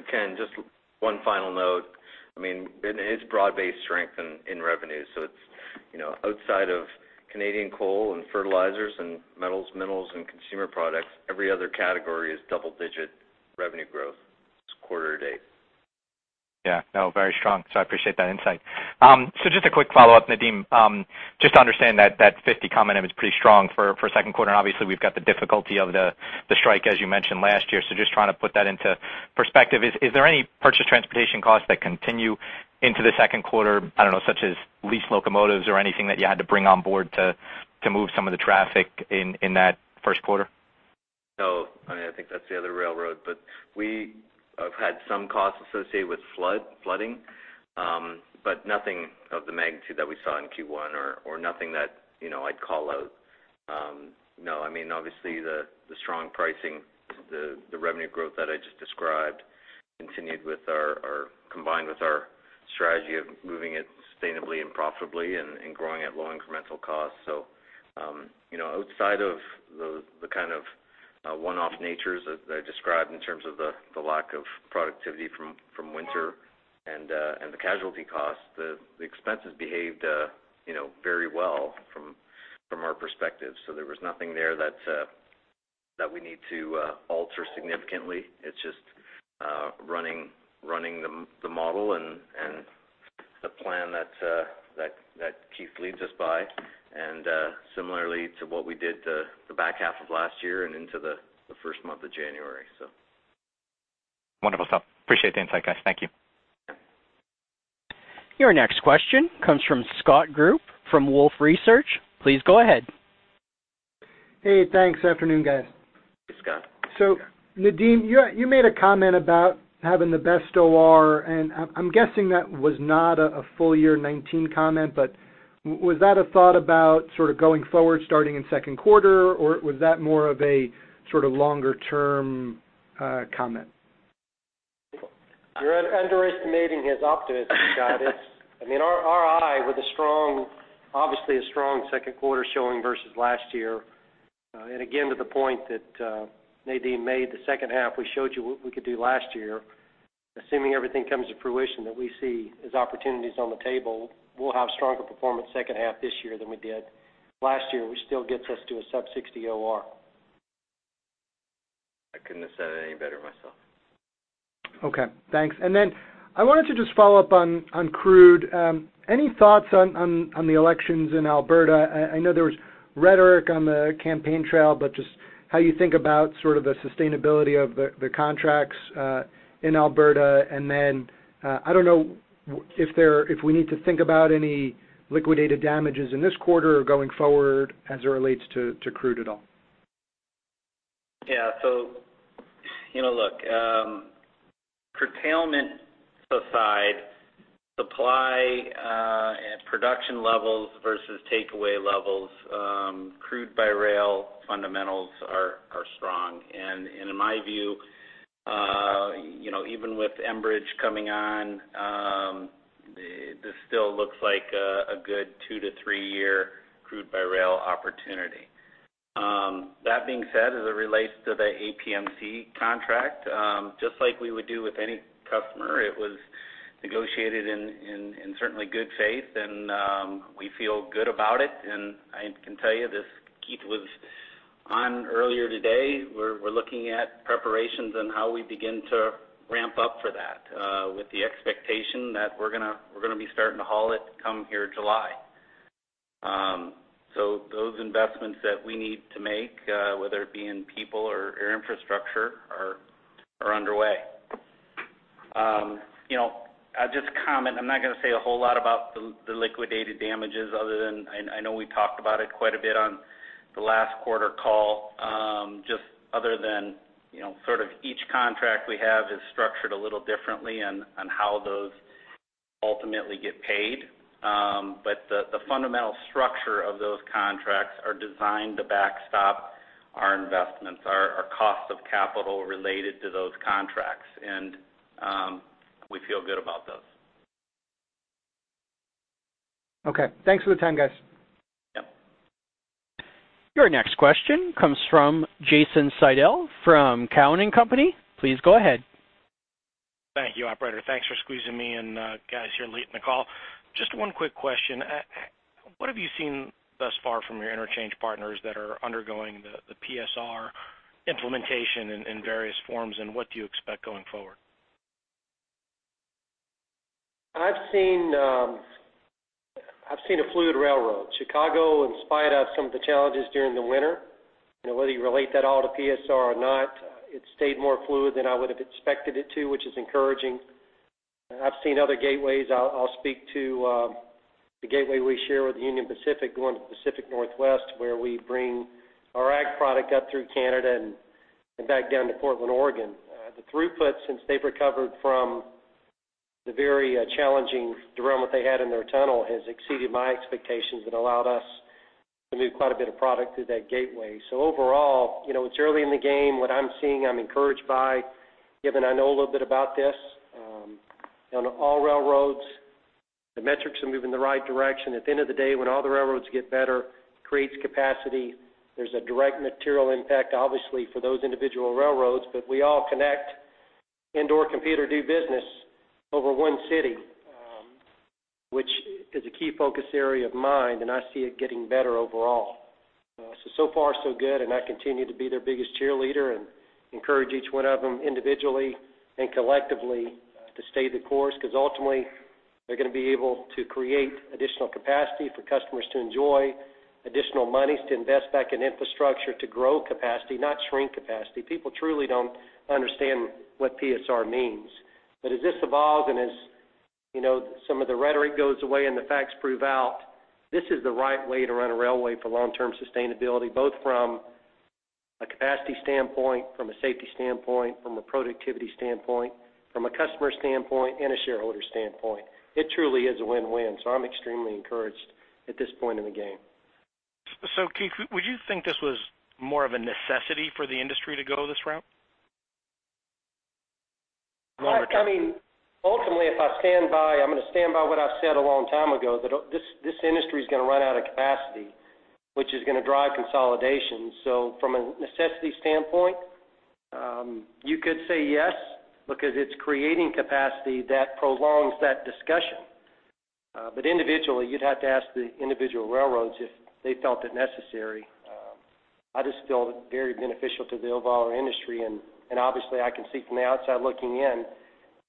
Ken, just one final note. It's broad-based strength in revenues. It's outside of Canadian coal and fertilizers and metals, minerals and consumer products, every other category is double-digit revenue growth this quarter to date. No, very strong. I appreciate that insight. Just a quick follow-up, Nadeem. To understand that 50 comment, it was pretty strong for second quarter, and obviously, we've got the difficulty of the strike, as you mentioned last year. Just trying to put that into perspective. Is there any purchase transportation costs that continue into the second quarter, I don't know, such as lease locomotives or anything that you had to bring on board to move some of the traffic in that first quarter? No, I think that's the other railroad. We have had some costs associated with flooding, nothing of the magnitude that we saw in Q1 or nothing that I'd call out. Obviously, the strong pricing, the revenue growth that I just described continued combined with our strategy of moving it sustainably and profitably and growing at low incremental costs. Outside of the kind of one-off natures as I described in terms of the lack of productivity from winter and the casualty costs, the expenses behaved very well from our perspective. There was nothing there that we need to alter significantly. It's just running the model and the plan that Keith leads us by, similarly to what we did to the back half of last year and into the first month of January. Wonderful stuff. Appreciate the insight, guys. Thank you. Your next question comes from Scott Group from Wolfe Research. Please go ahead. Hey, thanks. Afternoon, guys. Hey, Scott. Hey, Scott. Nadeem, you made a comment about having the best OR, and I'm guessing that was not a full year 2019 comment, but was that a thought about sort of going forward starting in second quarter, or was that more of a sort of longer-term comment? You're underestimating his optimism, Scott. Our OR with obviously a strong second quarter showing versus last year. Again, to the point that Nadeem made, the second half we showed you what we could do last year. Assuming everything comes to fruition that we see as opportunities on the table, we'll have stronger performance second half this year than we did last year, which still gets us to a sub 60 OR. I couldn't have said it any better myself. Okay, thanks. I wanted to just follow up on crude. Any thoughts on the elections in Alberta? I know there was rhetoric on the campaign trail, but just how you think about sort of the sustainability of the contracts in Alberta, I don't know if we need to think about any liquidated damages in this quarter or going forward as it relates to crude at all. Yeah. Look, curtailment aside, supply at production levels versus takeaway levels, crude by rail fundamentals are In my view, even with Enbridge coming on, this still looks like a good two- to three-year crude by rail opportunity. That being said, as it relates to the APMC contract, just like we would do with any customer, it was negotiated in certainly good faith, and we feel good about it. I can tell you, Keith was on earlier today. We're looking at preparations and how we begin to ramp up for that with the expectation that we're going to be starting to haul it come here July. Those investments that we need to make, whether it be in people or infrastructure, are underway. I'll just comment, I'm not going to say a whole lot about the liquidated damages other than I know we talked about it quite a bit on the last quarter call, just other than sort of each contract we have is structured a little differently on how those ultimately get paid. The fundamental structure of those contracts are designed to backstop our investments, our cost of capital related to those contracts, and we feel good about those. Okay. Thanks for the time, guys. Yep. Your next question comes from Jason Seidl from Cowen and Company. Please go ahead. Thank you, operator. Thanks for squeezing me in, guys, here late in the call. Just one quick question. What have you seen thus far from your interchange partners that are undergoing the PSR implementation in various forms, and what do you expect going forward? I've seen a fluid railroad. Chicago, in spite of some of the challenges during the winter, whether you relate that all to PSR or not, it stayed more fluid than I would've expected it to, which is encouraging. I've seen other gateways. I'll speak to the gateway we share with Union Pacific going to the Pacific Northwest, where we bring our ag product up through Canada and back down to Portland, Oregon. The throughput, since they've recovered from the very challenging derailment they had in their tunnel, has exceeded my expectations and allowed us to move quite a bit of product through that gateway. Overall, it's early in the game. What I'm seeing, I'm encouraged by, given I know a little bit about this. On all railroads, the metrics are moving in the right direction. At the end of the day, when all the railroads get better, it creates capacity. There's a direct material impact, obviously, for those individual railroads, but we all connect and/or compete or do business over one city, which is a key focus area of mine, and I see it getting better overall. So far so good, and I continue to be their biggest cheerleader and encourage each one of them individually and collectively to stay the course, because ultimately they're going to be able to create additional capacity for customers to enjoy, additional monies to invest back in infrastructure to grow capacity, not shrink capacity. People truly don't understand what PSR means. As this evolves and as some of the rhetoric goes away and the facts prove out, this is the right way to run a railway for long-term sustainability, both from a capacity standpoint, from a safety standpoint, from a productivity standpoint, from a customer standpoint, and a shareholder standpoint. It truly is a win-win, I'm extremely encouraged at this point in the game. Keith, would you think this was more of a necessity for the industry to go this route? Ultimately, I'm going to stand by what I said a long time ago, that this industry's going to run out of capacity, which is going to drive consolidation. From a necessity standpoint, you could say yes, because it's creating capacity that prolongs that discussion. Individually, you'd have to ask the individual railroads if they felt it necessary. I just feel it very beneficial to the overall industry. Obviously, I can see from the outside looking in,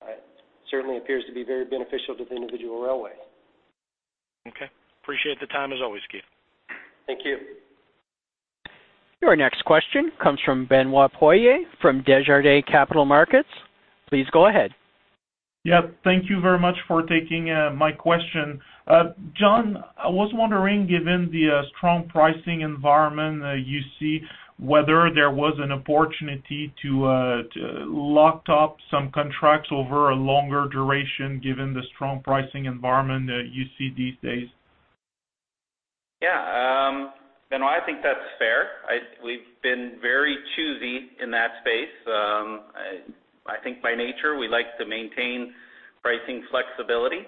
it certainly appears to be very beneficial to the individual railway. Okay. Appreciate the time as always, Keith. Thank you. Your next question comes from Benoit Poirier from Desjardins Capital Markets. Please go ahead. Thank you very much for taking my question. John, I was wondering, given the strong pricing environment you see, whether there was an opportunity to lock up some contracts over a longer duration, given the strong pricing environment that you see these days? Benoit, I think that's fair. We've been very choosy in that space. I think by nature, we like to maintain pricing flexibility.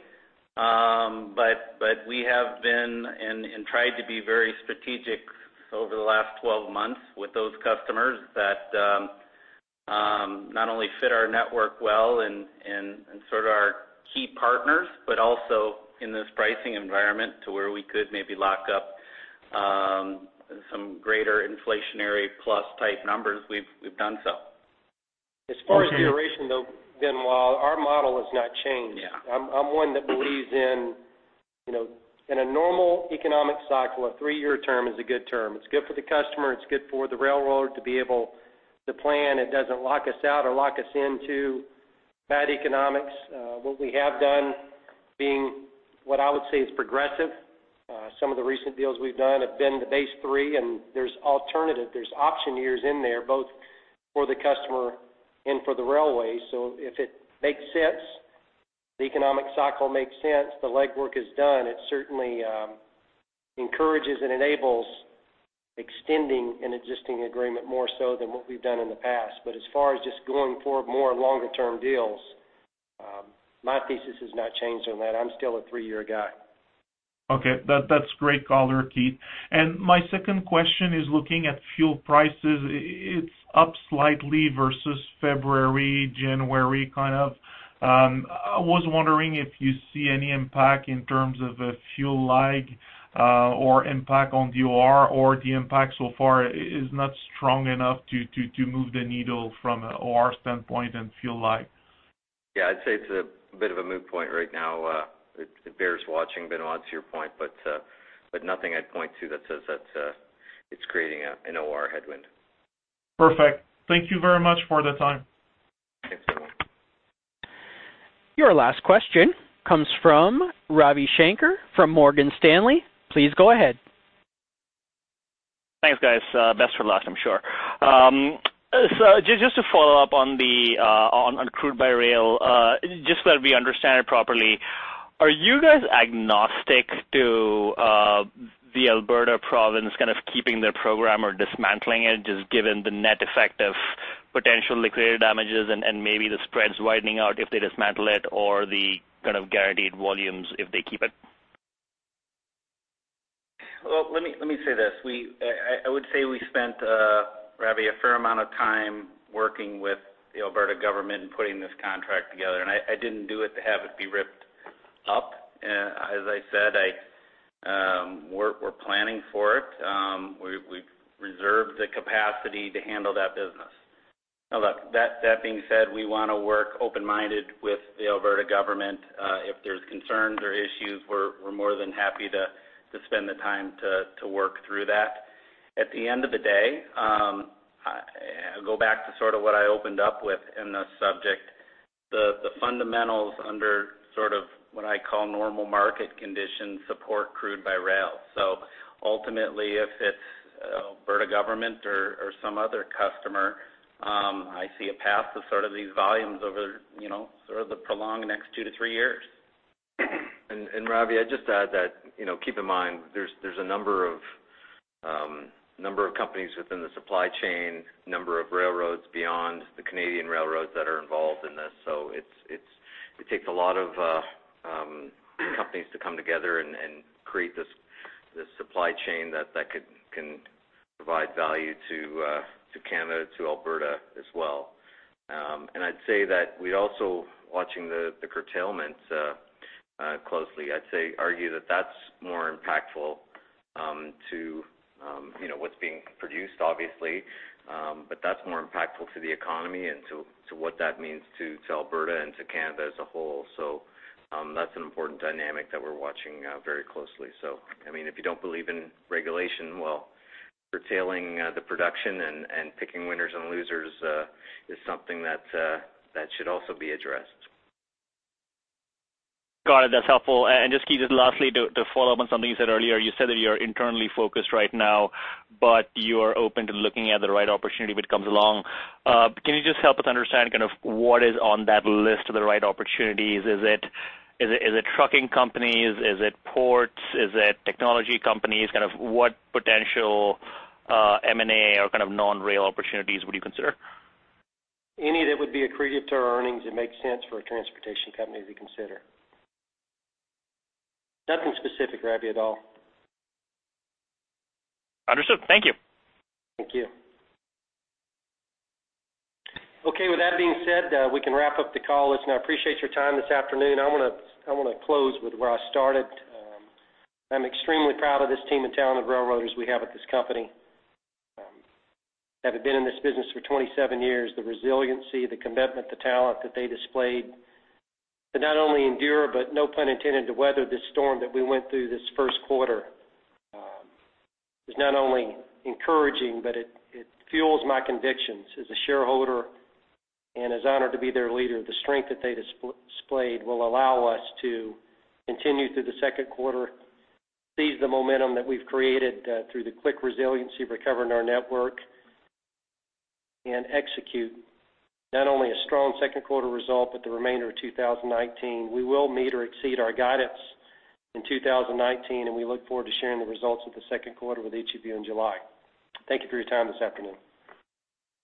We have been and tried to be very strategic over the last 12 months with those customers that not only fit our network well and sort of are our key partners, but also in this pricing environment to where we could maybe lock up some greater inflationary plus type numbers, we've done so. As far as duration, though, Benoit, our model has not changed. I'm one that believes in a normal economic cycle, a three-year term is a good term. It's good for the customer. It's good for the railroader to be able to plan. It doesn't lock us out or lock us into bad economics. What we have done, being what I would say is progressive, some of the recent deals we've done have been to base three, and there's alternative, option years in there, both for the customer and for the railway. If it makes sense. The economic cycle makes sense. The legwork is done. It certainly encourages and enables extending an existing agreement more so than what we've done in the past. As far as just going for more longer-term deals, my thesis has not changed on that. I'm still a three-year guy. Okay. That's great color, Keith. My second question is looking at fuel prices. It's up slightly versus February, January. I was wondering if you see any impact in terms of a fuel lag or impact on OR, or the impact so far is not strong enough to move the needle from an OR standpoint and fuel lag. I'd say it's a bit of a moot point right now. It bears watching, Benoit, to your point, but nothing I'd point to that says that it's creating an OR headwind. Perfect. Thank you very much for the time. Okay. Thank you. Your last question comes from Ravi Shanker from Morgan Stanley. Please go ahead. Thanks, guys. Best for last, I'm sure. Just to follow up on crude by rail, just so that we understand it properly, are you guys agnostic to the Alberta province keeping their program or dismantling it, just given the net effect of potential liquidated damages and maybe the spreads widening out if they dismantle it or the guaranteed volumes if they keep it? Well, let me say this. I would say we spent, Ravi, a fair amount of time working with the Alberta government in putting this contract together, and I didn't do it to have it be ripped up. As I said, we're planning for it. We've reserved the capacity to handle that business. Now look, that being said, we want to work open-minded with the Alberta government. If there's concerns or issues, we're more than happy to spend the time to work through that. At the end of the day, I'll go back to what I opened up with in the subject. The fundamentals under what I call normal market conditions support crude by rail. Ultimately, if it's Alberta government or some other customer, I see a path to these volumes over the prolonged next two to three years. Ravi, I'd just add that, keep in mind, there's a number of companies within the supply chain, number of railroads beyond the Canadian railroads that are involved in this. It takes a lot of companies to come together and create this supply chain that can provide value to Canada, to Alberta as well. I'd say that we also watching the curtailments closely. I'd argue that that's more impactful to what's being produced, obviously. That's more impactful to the economy and to what that means to Alberta and to Canada as a whole. That's an important dynamic that we're watching very closely. If you don't believe in regulation, well, curtailing the production and picking winners and losers is something that should also be addressed. Got it. That's helpful. Just, Keith, just lastly, to follow up on something you said earlier, you said that you're internally focused right now, but you are open to looking at the right opportunity if it comes along. Can you just help us understand what is on that list of the right opportunities? Is it trucking companies? Is it ports? Is it technology companies? What potential M&A or non-rail opportunities would you consider? Any that would be accretive to our earnings and make sense for a transportation company, we consider. Nothing specific, Ravi, at all. Understood. Thank you. Thank you. With that being said, we can wrap up the call. Listen, I appreciate your time this afternoon. I want to close with where I started. I'm extremely proud of this team of talented railroaders we have at this company. Having been in this business for 27 years, the resiliency, the commitment, the talent that they displayed to not only endure, but no pun intended, to weather this storm that we went through this first quarter, is not only encouraging, but it fuels my convictions as a shareholder and is honored to be their leader. The strength that they displayed will allow us to continue through the second quarter, seize the momentum that we've created through the quick resiliency of recovering our network, and execute not only a strong second quarter result, but the remainder of 2019. We will meet or exceed our guidance in 2019. We look forward to sharing the results of the second quarter with each of you in July. Thank you for your time this afternoon.